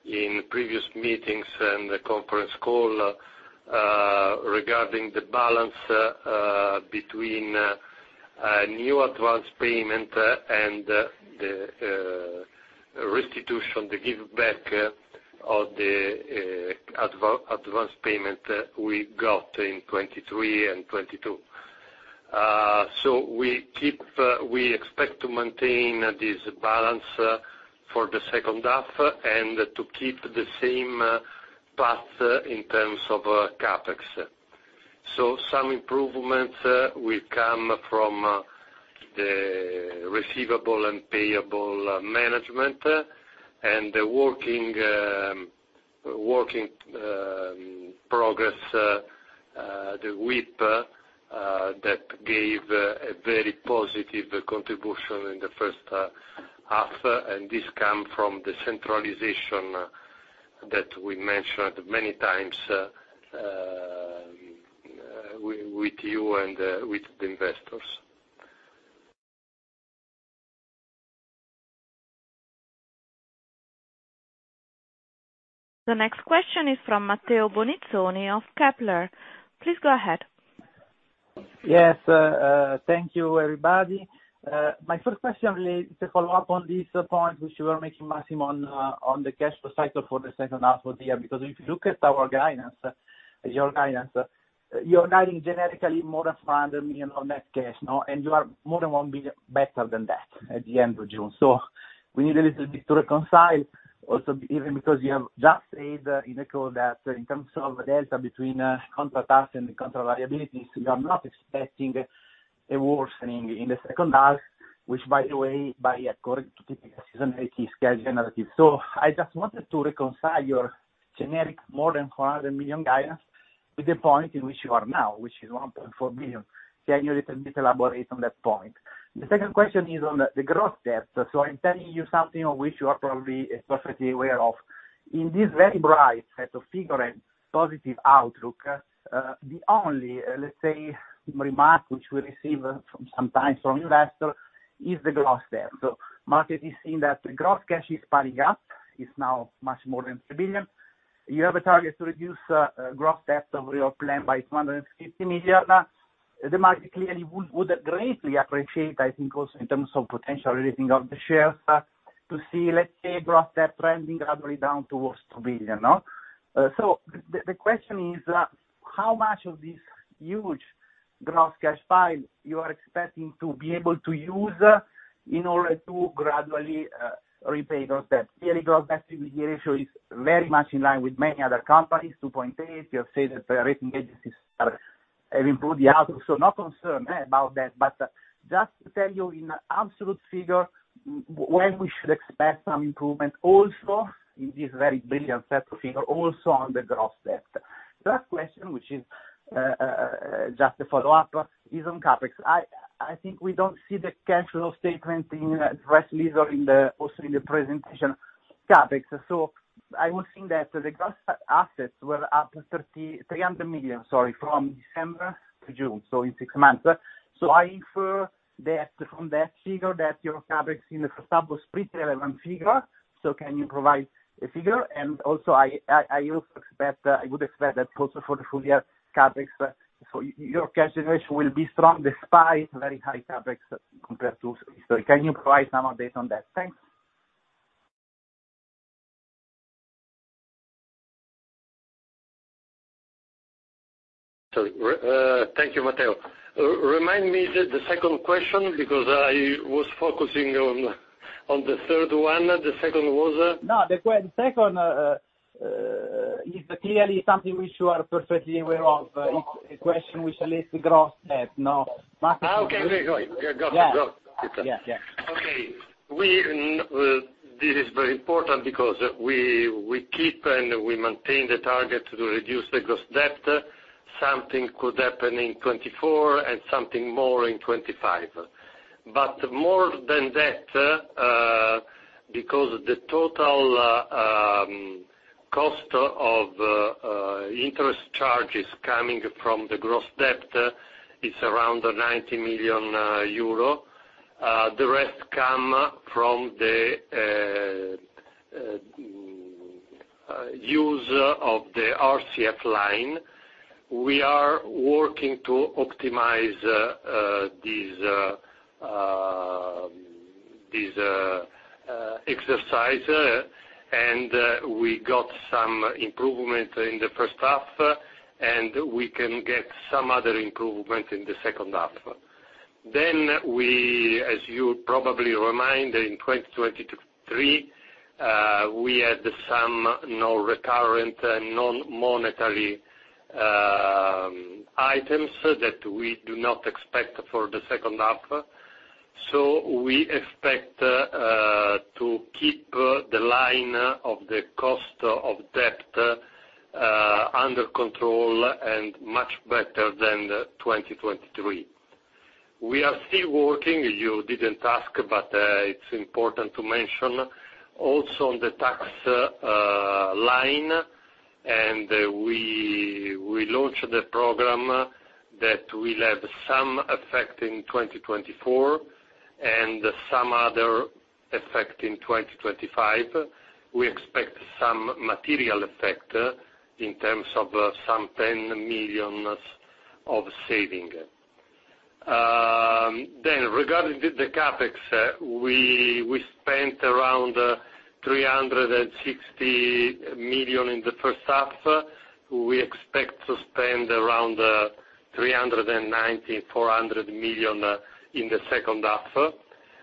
in previous meetings and the conference call, regarding the balance, between, new advance payment and, the, restitution, the give back of the, advance payment we got in 2023 and 2022. So we expect to maintain this balance for the second half and to keep the same path in terms of CapEx. So some improvements will come from the receivable and payable management and the working progress, the WIP, that gave a very positive contribution in the first half, and this come from the centralization that we mentioned many times with you and with the investors. The next question is from Matteo Bonizzoni of Kepler. Please go ahead. Yes, thank you, everybody. My first question really is a follow-up on this point, which you were making, Massimo, on the cash recycle for the second half of the year. Because if you look at our guidance, your guidance, you're guiding generically more than 500 million on net cash, no? And you are more than 1 billion better than that at the end of June. So we need a little bit to reconcile, also even because you have just said in the call that in terms of the delta between counter tasks and the counter viabilities, you are not expecting a worsening in the second half, which, by the way, according to typical seasonality, is generally narrative. So I just wanted to reconcile your generic more than 400 million guidance with the point in which you are now, which is 1.4 billion. Can you a little bit elaborate on that point? The second question is on the gross debt. So I'm telling you something of which you are probably perfectly aware of. In this very bright set of figure and positive outlook, the only, let's say, remark which we receive from sometimes from investor, is the gross debt. So market is seeing that the gross cash is piling up, is now much more than 3 billion. You have a target to reduce gross debt over your plan by 250 million. The market clearly would greatly appreciate, I think, also in terms of potential raising of the shares, to see, let's say, gross debt trending rapidly down towards 2 billion, no? So the question is, how much of this huge gross cash pile you are expecting to be able to use in order to gradually repay gross debt? Clearly, gross debt ratio is very much in line with many other companies, 2.8. You have said that the rating agencies are, have improved the outlook, so not concerned about that. But just to tell you, in absolute figure, when we should expect some improvement, also in this very billion set of figure, also on the gross debt. Last question, which is just a follow-up, is on CapEx. I think we don't see the capital statement in the press release or in the, also in the presentation CapEx. So I would think that the gross assets were up 3,300 million, sorry, from December to June, so in 6 months. So I infer that from that figure that your CapEx in the first half was pretty relevant figure. So can you provide a figure? And also I expect, I would expect that also for the full year CapEx, so your cash generation will be strong, despite very high CapEx compared to... So can you provide some update on that? Thanks. Sorry. Thank you, Matteo. Remind me the, the second question, because I was focusing on, on the third one. The second was? No, the second is clearly something which you are perfectly aware of. It's a question which relates to gross debt, no? Ah, okay. Great. Got it. Got it. Yeah. Yeah, yeah. Okay. We, this is very important because we keep and we maintain the target to reduce the gross debt. Something could happen in 2024 and something more in 2025. But more than that, because the total cost of interest charges coming from the gross debt is around 90 million euro, the rest come from the use of the RCF line. We are working to optimize these exercise, and we got some improvement in the first half, and we can get some other improvement in the second half. Then we, as you probably remember, in 2023, we had some non-recurrent and non-monetary items that we do not expect for the second half. So we expect to keep the line of the cost of debt under control and much better than the 2023. We are still working, you didn't ask, but, it's important to mention also on the tax line, and, we, we launched the program that will have some effect in 2024 and some other effect in 2025. We expect some material effect in terms of some 10 million of saving. Then regarding the, the CapEx, we, we spent around 360 million in the first half. We expect to spend around 390 million-400 million in the second half.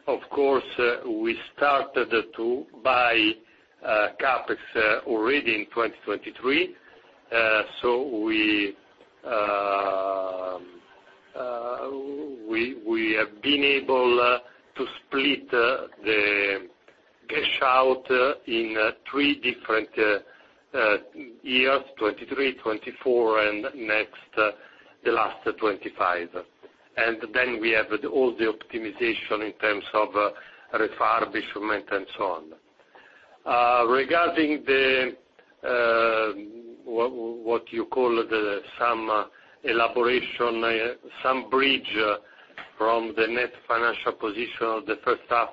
Of course, we started to buy CapEx already in 2023. So we... We have been able to split the cash out in three different years, 2023, 2024, and next, the last, 2025. And then we have all the optimization in terms of refurbishment and so on. Regarding the, what, what you call the some elaboration, some bridge from the net financial position of the first half,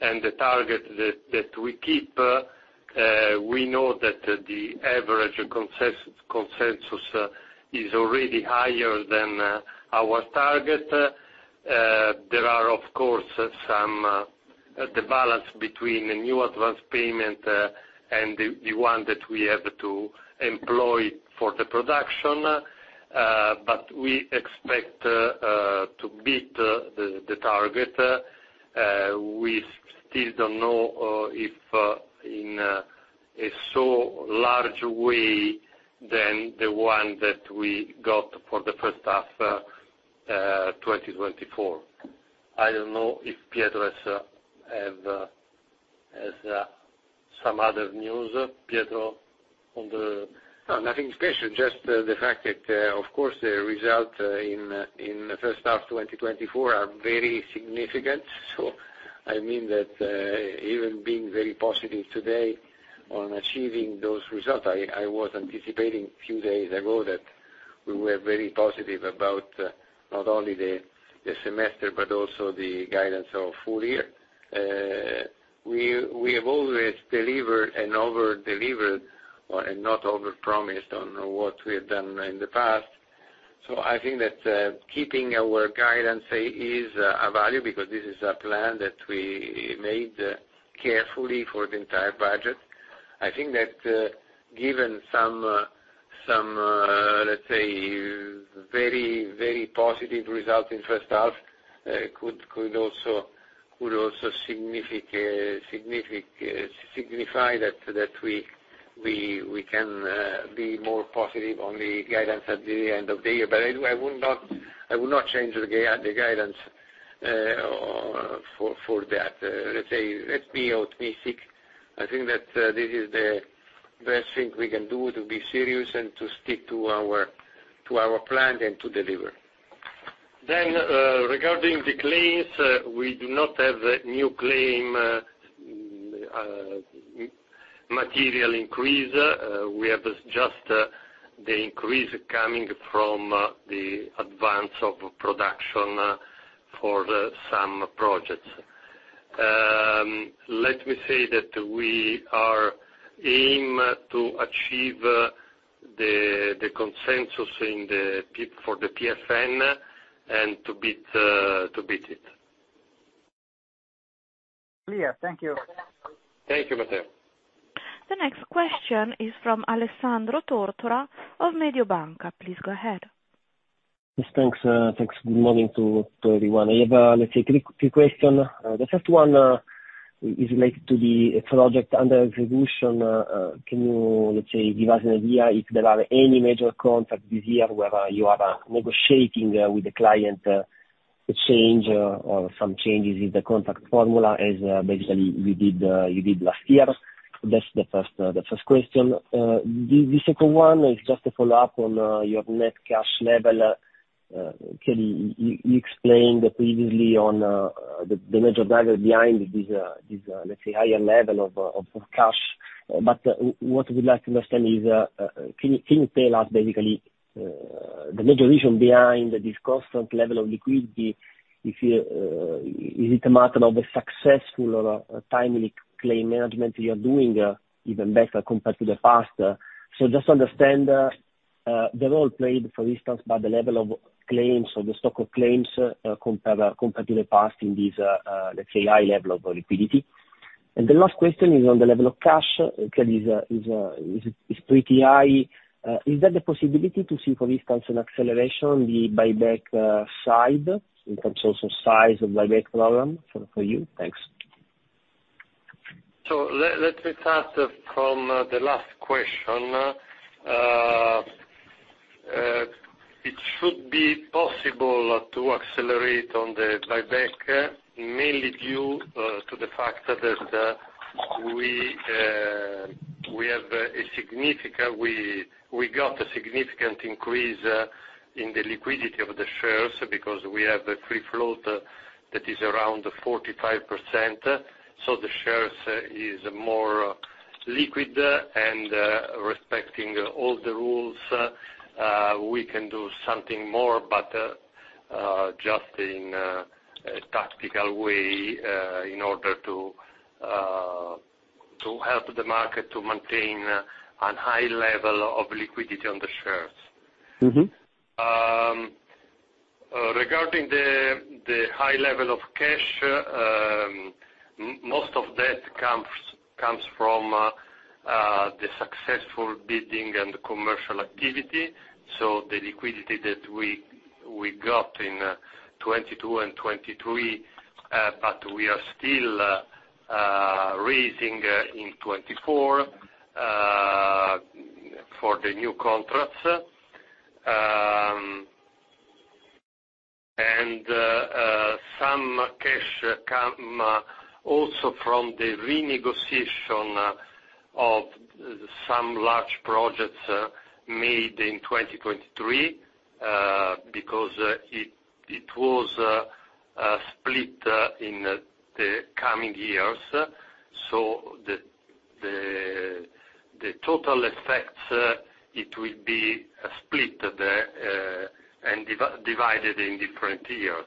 and the target that, that we keep, we know that the average consensus, consensus is already higher than, our target. There are, of course, some, the balance between the new advance payment, and the, the one that we have to employ for the production, but we expect, to beat the, the target. We still don't know, if, in, a so large way than the one that we got for the first half, 2024. I don't know if Pietro has some other news. Pietro, on the- No, nothing special, just the fact that, of course, the result in the first half of 2024 are very significant. So I mean that, even being very positive today on achieving those results, I was anticipating a few days ago that we were very positive about not only the semester, but also the guidance of full year. We have always delivered and over-delivered, and not overpromised on what we have done in the past. So I think that keeping our guidance is a value, because this is a plan that we made carefully for the entire budget. I think that, given some, let's say, very, very positive result in first half, could also signify that we can be more positive on the guidance at the end of the year. But I would not change the guidance for that. Let's say, let's be optimistic. I think that this is the best thing we can do to be serious and to stick to our plan and to deliver. Then, regarding the claims, we do not have a new claim material increase. We have just the increase coming from the advance of production for the some projects. Let me say that we are aim to achieve the consensus in the p -- for the TFN, and to beat it. Clear. Thank you. Thank you, Matteo. The next question is from Alessandro Tortora of Mediobanca. Please go ahead. Yes, thanks. Thanks. Good morning to everyone. I have, let's say, three questions. The first one is related to the projects under execution. Can you, let's say, give us an idea if there are any major contracts this year where you are negotiating with the client to change or some changes in the contract formula, as basically we did, you did last year? That's the first question. The second one is just a follow-up on your net cash level. Can you... You explained previously on the major driver behind this, this, let's say, higher level of cash. But what we'd like to understand is, can you tell us, basically, the major reason behind this constant level of liquidity? Is it a matter of a successful or a timely claim management you're doing, even better compared to the past? So just understand the role played, for instance, by the level of claims or the stock of claims, compared to the past in this, let's say, high level of liquidity. And the last question is on the level of cash, is pretty high. Is there the possibility to see, for instance, an acceleration on the buyback side, in terms of size of buyback program for you? Thanks. Let me start from the last question. It should be possible to accelerate on the buyback, mainly due to the fact that we got a significant increase in the liquidity of the shares, because we have a free float that is around 45%. So the shares is more liquid, and respecting all the rules, we can do something more, but just in a tactical way, in order to help the market to maintain a high level of liquidity on the shares. Mm-hmm. Regarding the high level of cash, most of that comes from the successful bidding and commercial activity. So the liquidity that we got in 2022 and 2023, but we are still raising in 2024 for the new contracts, and some cash come also from the renegotiation of some large projects made in 2023, because it was split in the coming years. So the total effects it will be split and divided in different years.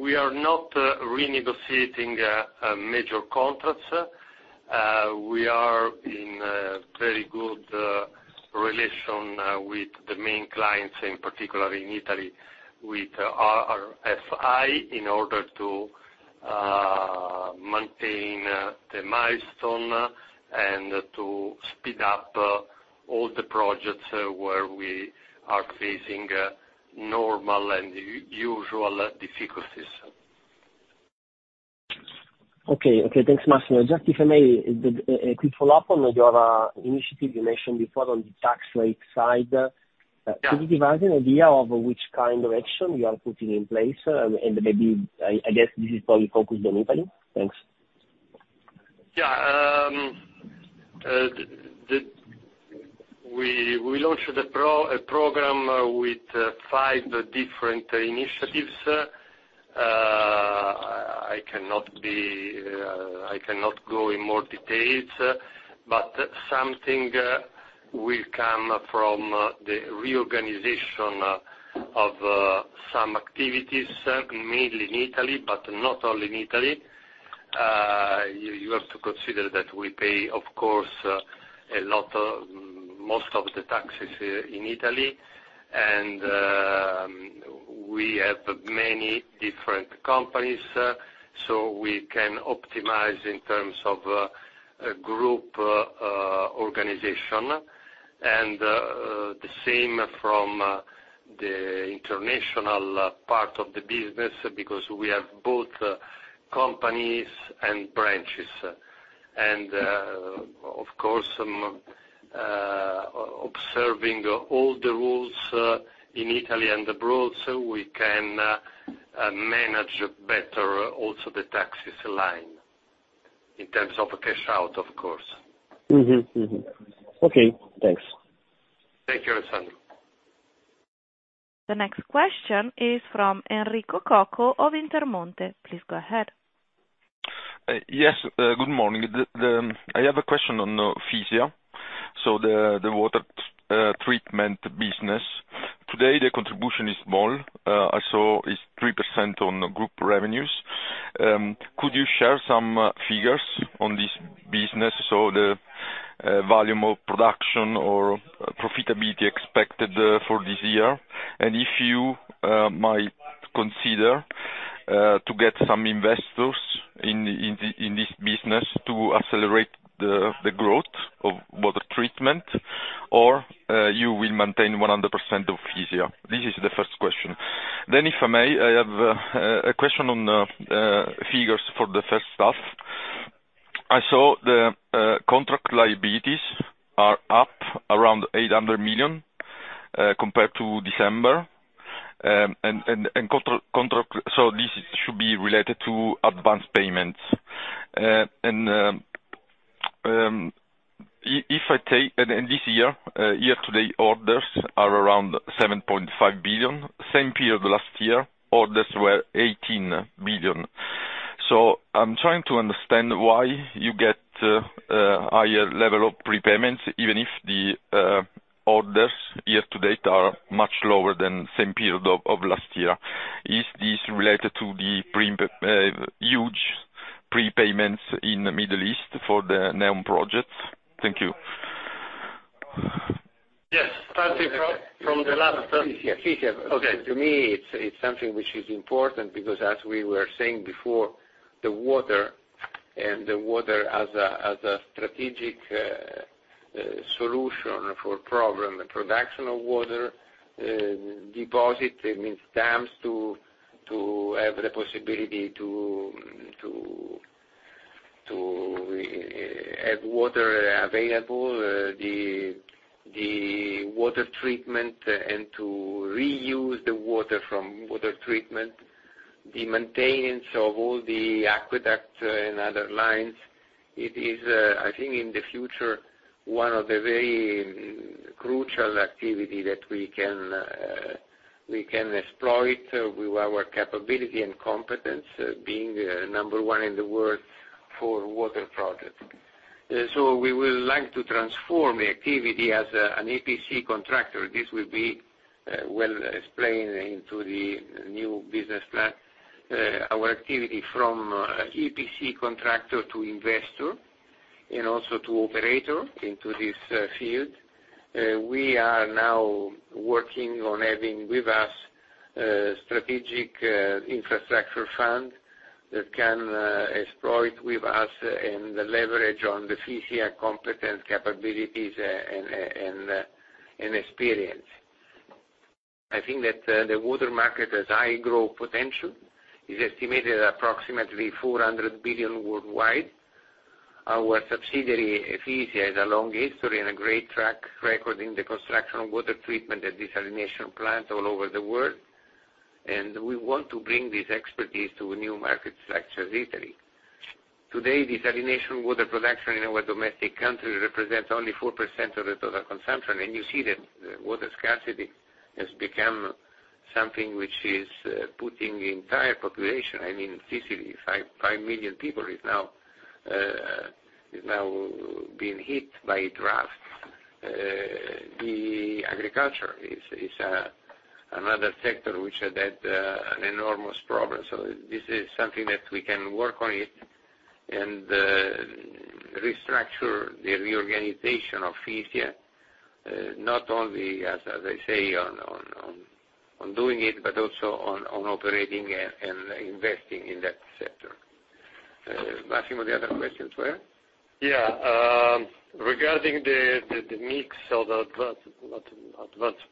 We are not renegotiating major contracts. We are in a very good relation with the main clients, in particular in Italy, with our RFI, in order to maintain the milestone and to speed up all the projects where we are facing normal and usual difficulties. Okay. Okay, thanks, Massimo. Just if I may, a quick follow-up on your initiative you mentioned before on the tax rate side. Yeah. Could you give us an idea of which kind of action you are putting in place, and maybe, I guess this is probably focused on Italy? Thanks. Yeah, we launched a program with five different initiatives. I cannot go in more details, but something will come from the reorganization of some activities, mainly in Italy, but not only in Italy. You have to consider that we pay, of course, a lot, most of the taxes in Italy, and we have many different companies, so we can optimize in terms of a group organization. And the same from the international part of the business, because we have both companies and branches. And, of course, observing all the rules in Italy and abroad, so we can manage better also the taxes line, in terms of cash out, of course. Mm-hmm. Mm-hmm. Okay, thanks. Thank you, Alessandro. The next question is from Enrico Cocco of Intermonte. Please go ahead. Yes, good morning. I have a question on Fisia, so the water treatment business. Today, the contribution is small. I saw it's 3% on the group revenues. Could you share some figures on this business, so the volume of production or profitability expected for this year? And if you might consider to get some investors in this business to accelerate the growth of water treatment, or you will maintain 100% of Fisia? This is the first question. Then, if I may, I have a question on the figures for the first half. I saw the contract liabilities are up around 800 million compared to December. And contract, so this should be related to advanced payments. If I take this year, year-to-date orders are around 7.5 billion. Same period last year, orders were 18 billion. So I'm trying to understand why you get a higher level of prepayments, even if the orders year to date are much lower than same period of last year. Is this related to the huge prepayments in the Middle East for the NEOM projects? Thank you. Yes, starting from the last question. Yeah, Fisia. Okay. To me, it's something which is important, because as we were saying before, the water and the water as a strategic solution for problem, the production of water, deposit, it means dams to have the possibility to have water available, the water treatment, and to reuse the water from water treatment. The maintenance of all the aqueduct and other lines, it is, I think in the future, one of the very crucial activity that we can exploit with our capability and competence, being number one in the world for water projects. So we will like to transform the activity as an EPC contractor. This will be well explained into the new business plan, our activity from EPC contractor to investor, and also to operator into this field. We are now working on having with us strategic infrastructure fund, that can exploit with us and the leverage on the Fisia competence, capabilities, and experience. I think that the water market has high growth potential. It's estimated approximately $400 billion worldwide. Our subsidiary, Fisia, has a long history and a great track record in the construction of water treatment and desalination plants all over the world, and we want to bring this expertise to new markets, such as Italy. Today, desalination water production in our domestic country represents only 4% of the total consumption, and you see that water scarcity has become something which is putting the entire population, I mean, physically, 55 million people is now, is now being hit by drought. The agriculture is another sector which had an enormous problem. So this is something that we can work on it and restructure the reorganization of Fisia, not only as, as I say, on doing it, but also on operating and investing in that sector. Massimo, the other questions were? Yeah, regarding the mix of advanced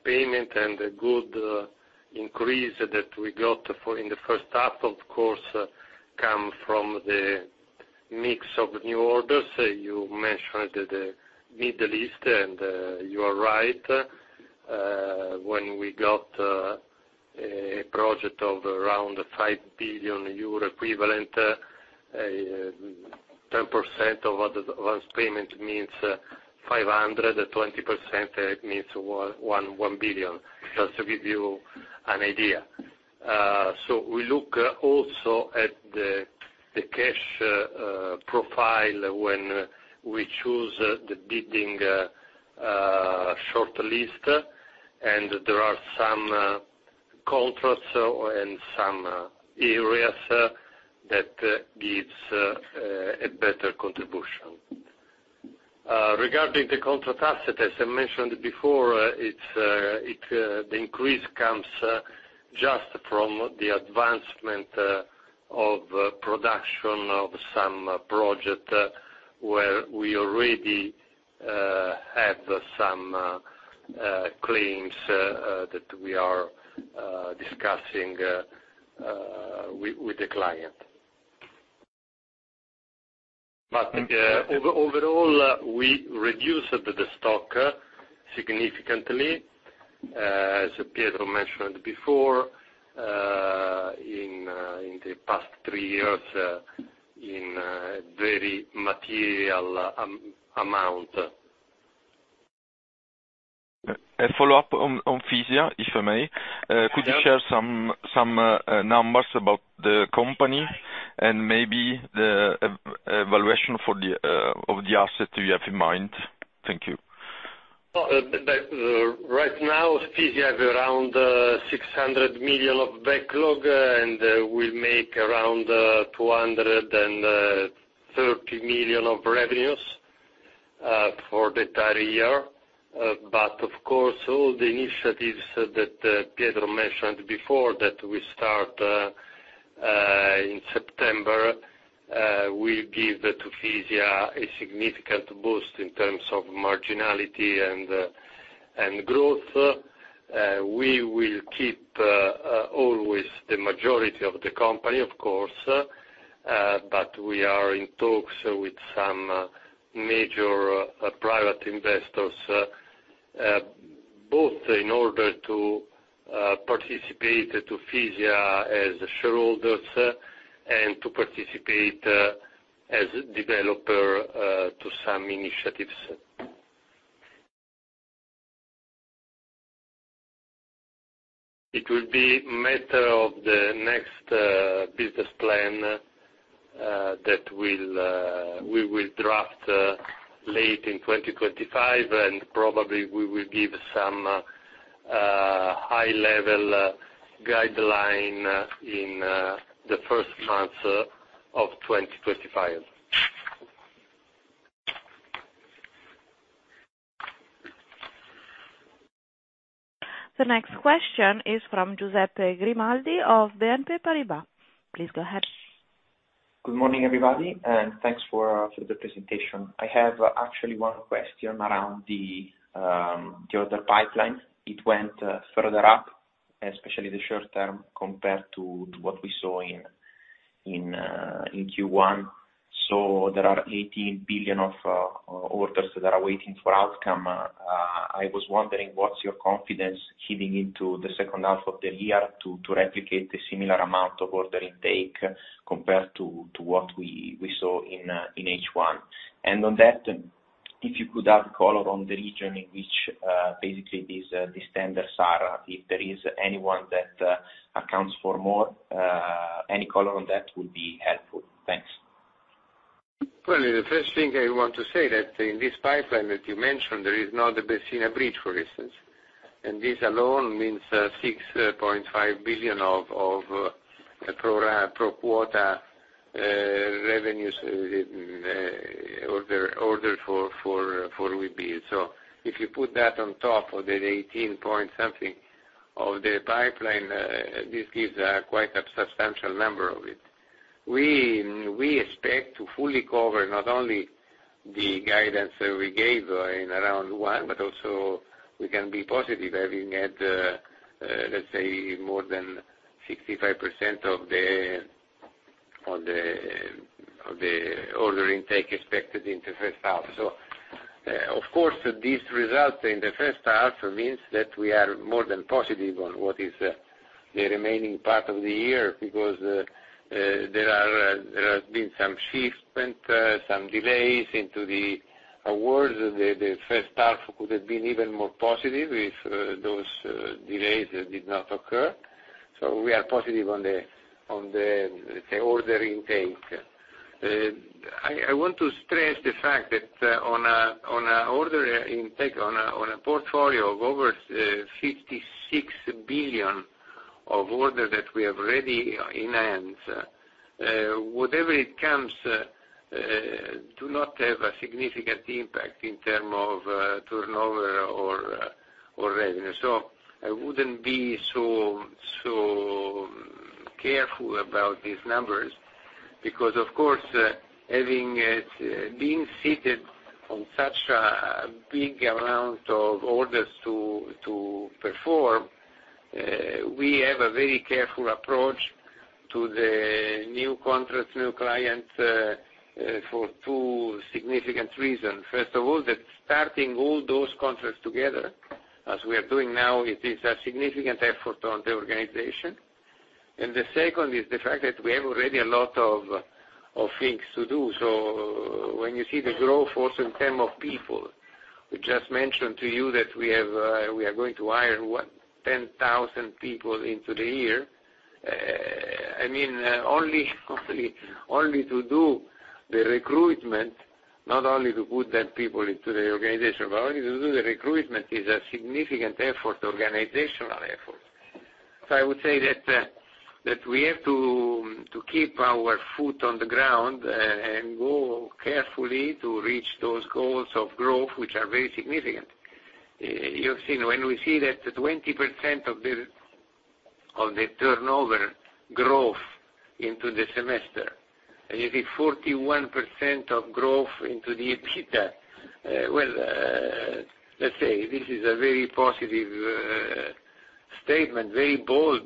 payment and the good increase that we got for in the first half, of course, come from the mix of new orders. You mentioned the Middle East, and you are right. When we got a project of around 5 billion euro equivalent, 10% of what advance payment means 500, 20% means 1 billion, just to give you an idea. So we look also at the cash profile when we choose the bidding short list, and there are some contracts and some areas that gives a better contribution. Regarding the contract asset, as I mentioned before, it's the increase comes just from the advancement of production of some project where we already have some claims that we are discussing with the client. But overall, we reduced the stock significantly, as Pietro mentioned before, in the past three years, in very material amount. A follow-up on Fisia, if I may. Could you share some numbers about the company and maybe the evaluation of the asset you have in mind? Thank you. Oh, right now, Fisia have around 600 million of backlog, and we make around 230 million of revenues for the entire year. But of course, all the initiatives that Pietro mentioned before, that we start in September, will give to Fisia a significant boost in terms of marginality and growth. We will keep always the majority of the company, of course, but we are in talks with some major private investors, both in order to participate to Fisia as shareholders and to participate as developer to some initiatives. It will be a matter of the next business plan that we will draft late in 2025, and probably we will give some high-level guideline in the first months of 2025. The next question is from Giuseppe Grimaldi of BNP Paribas. Please go ahead. Good morning, everybody, and thanks for the presentation. I have actually one question around the order pipeline. It went further up, especially the short term, compared to what we saw in Q1. So there are 18 billion of orders that are waiting for outcome. I was wondering, what's your confidence heading into the second half of the year to replicate the similar amount of order intake compared to what we saw in H1? And on that, if you could add color on the region in which basically these tenders are, if there is anyone that accounts for more, any color on that would be helpful. Thanks. Well, the first thing I want to say that in this pipeline that you mentioned, there is now the Messina Bridge, for instance. And this alone means, six point five billion of pro quota revenues, order for Webuild. So if you put that on top of the eighteen point something of the pipeline, this gives a quite substantial number of it. We expect to fully cover not only the guidance that we gave in around one, but also we can be positive, having had, let's say, more than 65% of the order intake expected in the first half. So, of course, these results in the first half means that we are more than positive on what is, the remaining part of the year, because, there have been some shifts and, some delays into the awards. The first half could have been even more positive if, those delays did not occur. So we are positive on the, on the, the order intake. I want to stress the fact that, on an order intake, on a portfolio of over 56 billion of orders that we have already in hand, whatever it comes, do not have a significant impact in term of, turnover or, or revenue. So I wouldn't be so, so careful about these numbers, because, of course, having, being seated on such a big amount of orders to perform, we have a very careful approach to the new contracts, new clients, for two significant reasons. First of all, that starting all those contracts together, as we are doing now, it is a significant effort on the organization. And the second is the fact that we have already a lot of, of things to do. So when you see the growth also in term of people, we just mentioned to you that we have, we are going to hire, what, 10,000 people into the year. I mean, only, only, only to do the recruitment, not only to put that people into the organization, but only to do the recruitment is a significant effort, organizational effort. So I would say that, that we have to, to keep our foot on the ground, and go carefully to reach those goals of growth, which are very significant. You've seen when we see that 20% of the, of the turnover growth into the semester, and you see 41% of growth into the EBITDA, well, let's say, this is a very positive, statement, very bold.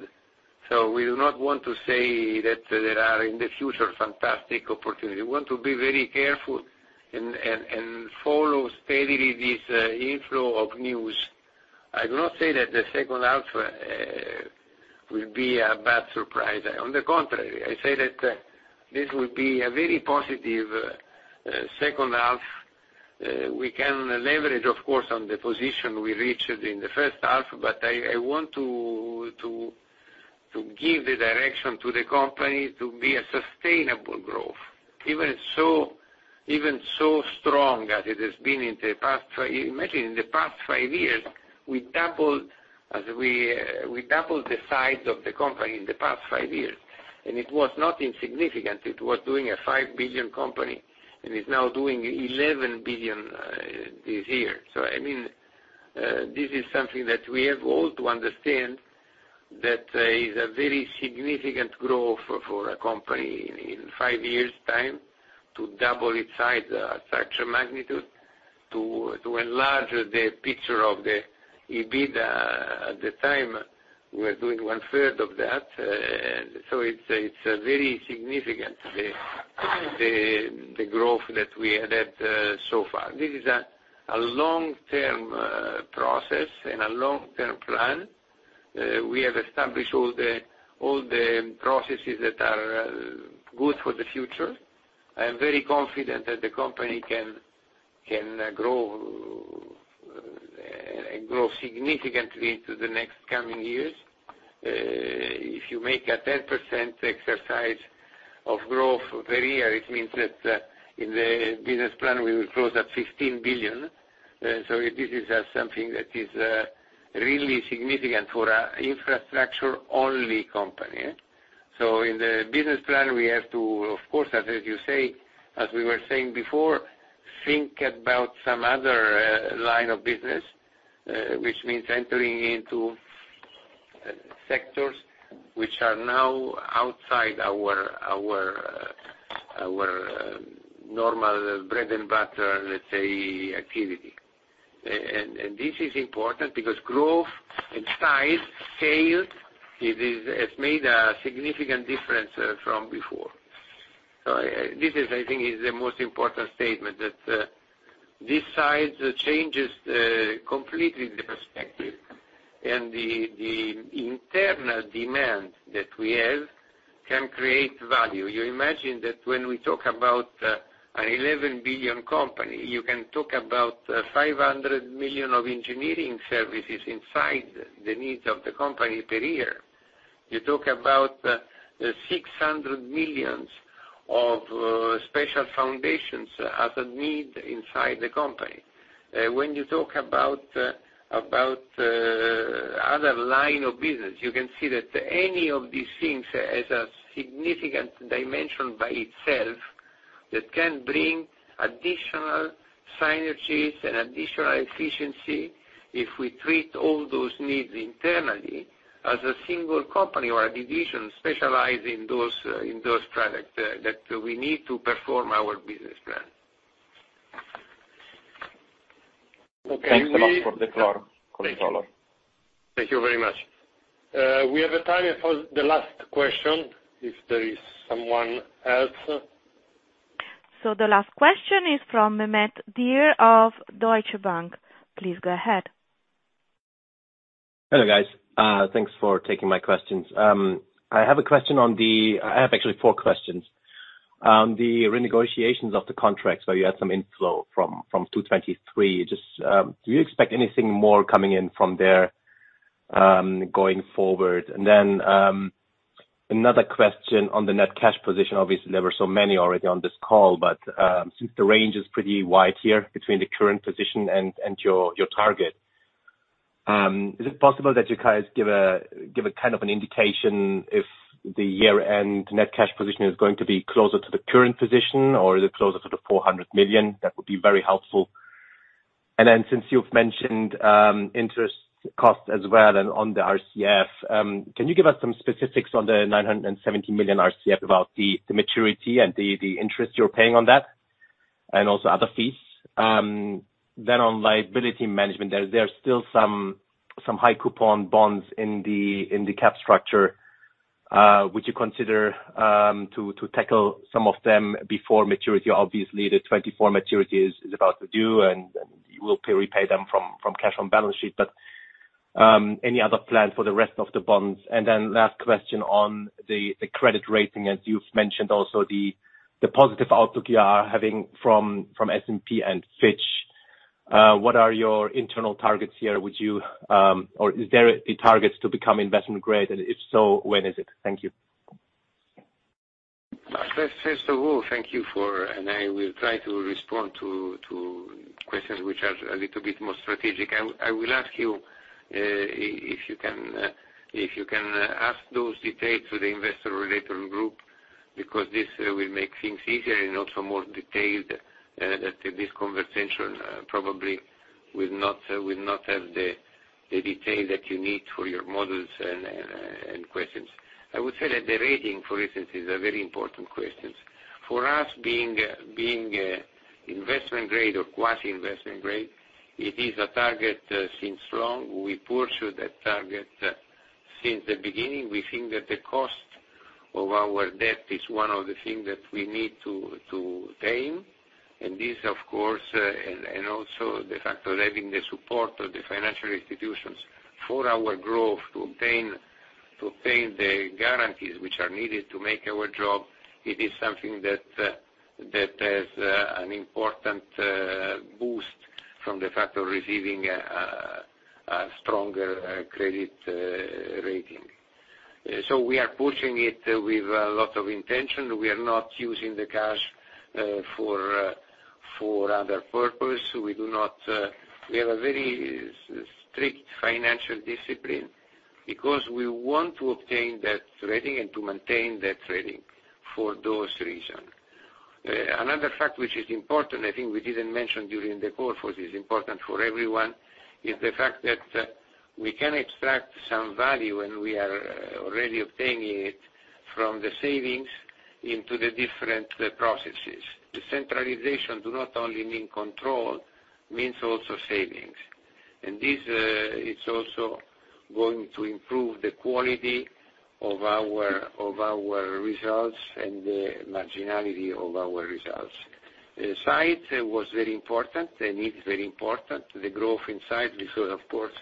So we do not want to say that there are, in the future, fantastic opportunity. We want to be very careful and, and, and follow steadily this, inflow of news. I do not say that the second half, will be a bad surprise. On the contrary, I say that, this will be a very positive, second half. We can leverage, of course, on the position we reached in the first half, but I want to give the direction to the company to be a sustainable growth, even so, even so strong as it has been in the past five years. Imagine, in the past five years, we doubled the size of the company in the past five years, and it was not insignificant. It was doing a 5 billion company, and it's now doing 11 billion this year. So I mean, this is something that we have all to understand, that is a very significant growth for a company in five years' time, to double its size, such a magnitude, to enlarge the picture of the EBITDA. At the time, we were doing one third of that, and so it's a, it's a very significant, the growth that we had had, so far. This is a, a long-term process and a long-term plan. We have established all the, all the processes that are good for the future. I am very confident that the company can grow significantly into the next coming years. If you make a 10% exercise of growth per year, it means that, in the business plan, we will close at 15 billion. So this is something that is really significant for an infrastructure-only company. So in the business plan, we have to, of course, as you say, as we were saying before, think about some other line of business, which means entering into sectors which are now outside our normal bread and butter, let's say, activity. And this is important because growth and size, sales, it has made a significant difference from before. So this is, I think, the most important statement, that this size changes completely the perspective, and the internal demand that we have can create value. You imagine that when we talk about an 11 billion company, you can talk about 500 million of engineering services inside the needs of the company per year. You talk about 600 million of special foundations as a need inside the company. When you talk about other line of business, you can see that any of these things has a significant dimension by itself... that can bring additional synergies and additional efficiency if we treat all those needs internally as a single company or a division specialized in those products that we need to perform our business plan. Okay, thanks a lot for the clarification, controller. Thank you very much. We have a time for the last question, if there is someone else. The last question is from Mehmet Dere of Deutsche Bank. Please go ahead. Hello, guys. Thanks for taking my questions. I have a question on the-- I have actually four questions. The renegotiations of the contracts, where you had some inflow from 2023, just do you expect anything more coming in from there going forward? And then another question on the net cash position. Obviously, there were so many already on this call, but since the range is pretty wide here between the current position and your target, is it possible that you guys give a kind of an indication if the year-end net cash position is going to be closer to the current position, or is it closer to the 400 million? That would be very helpful. And then, since you've mentioned, interest costs as well, and on the RCF, can you give us some specifics on the 970 million RCF, about the maturity and the interest you're paying on that, and also other fees? Then on liability management, there are still some high coupon bonds in the capital structure, would you consider to tackle some of them before maturity? Obviously, the 2024 maturity is about to come due, and you will repay them from cash on balance sheet. But, any other plan for the rest of the bonds? And then last question on the credit rating, as you've mentioned, also, the positive outlook you are having from S&P and Fitch. What are your internal targets here? Would you, or is there a targets to become investment grade, and if so, when is it? Thank you. First of all, thank you for... I will try to respond to questions which are a little bit more strategic. I will ask you if you can ask those details to the investor relations group, because this will make things easier and also more detailed, that this conversation probably will not have the detail that you need for your models and questions. I would say that the rating, for instance, is a very important question. For us, being investment grade or quasi investment grade, it is a target since long. We pursue that target since the beginning. We think that the cost of our debt is one of the things that we need to tame. This, of course, and also the fact of having the support of the financial institutions for our growth to obtain the guarantees which are needed to make our job, it is something that has an important boost from the fact of receiving a stronger credit rating. So we are pushing it with a lot of intention. We are not using the cash for other purpose. We have a very strict financial discipline because we want to obtain that rating and to maintain that rating for those reasons. Another fact which is important, I think we didn't mention during the call, for it is important for everyone, is the fact that we can extract some value, and we are already obtaining it from the savings into the different processes. The centralization do not only mean control, means also savings, and this is also going to improve the quality of our, of our results and the marginality of our results. Site was very important, and it's very important, the growth in site, because, of course,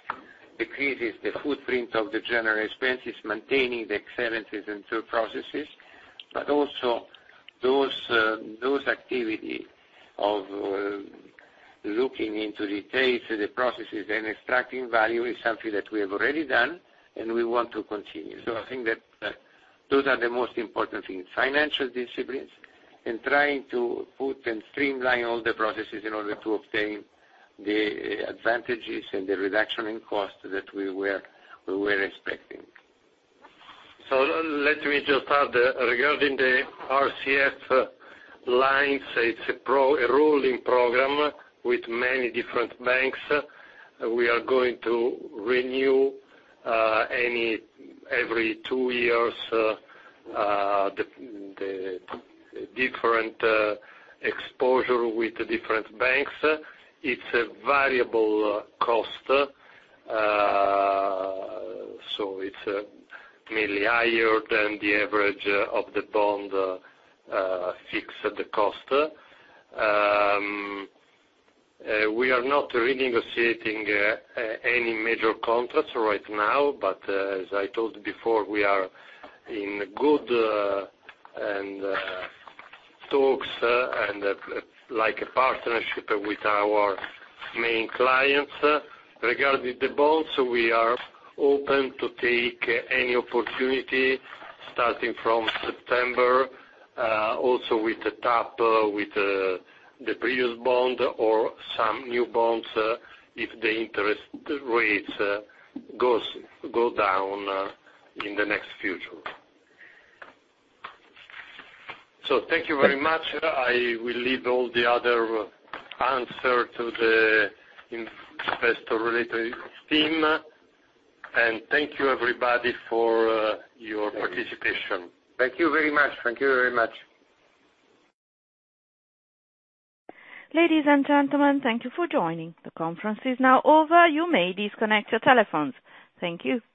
decreases the footprint of the general expenses, maintaining the excellences and two processes, but also those, those activity of looking into details of the processes and extracting value is something that we have already done, and we want to continue. I think that those are the most important things, financial disciplines and trying to put and streamline all the processes in order to obtain the advantages and the reduction in cost that we were expecting. So let me just add, regarding the RCF lines, it's a rolling program with many different banks. We are going to renew every two years the different exposure with the different banks. It's a variable cost, so it's merely higher than the average of the bond fixed cost. We are not renegotiating any major contracts right now, but as I told you before, we are in good and talks and like a partnership with our main clients. Regarding the bonds, we are open to take any opportunity starting from September, also with the top with the previous bond or some new bonds, if the interest rates go down in the next future. So thank you very much. I will leave all the other answers to the Investor Relations team. And thank you, everybody, for your participation. Thank you very much. Thank you very much. Ladies and gentlemen, thank you for joining. The conference is now over. You may disconnect your telephones. Thank you.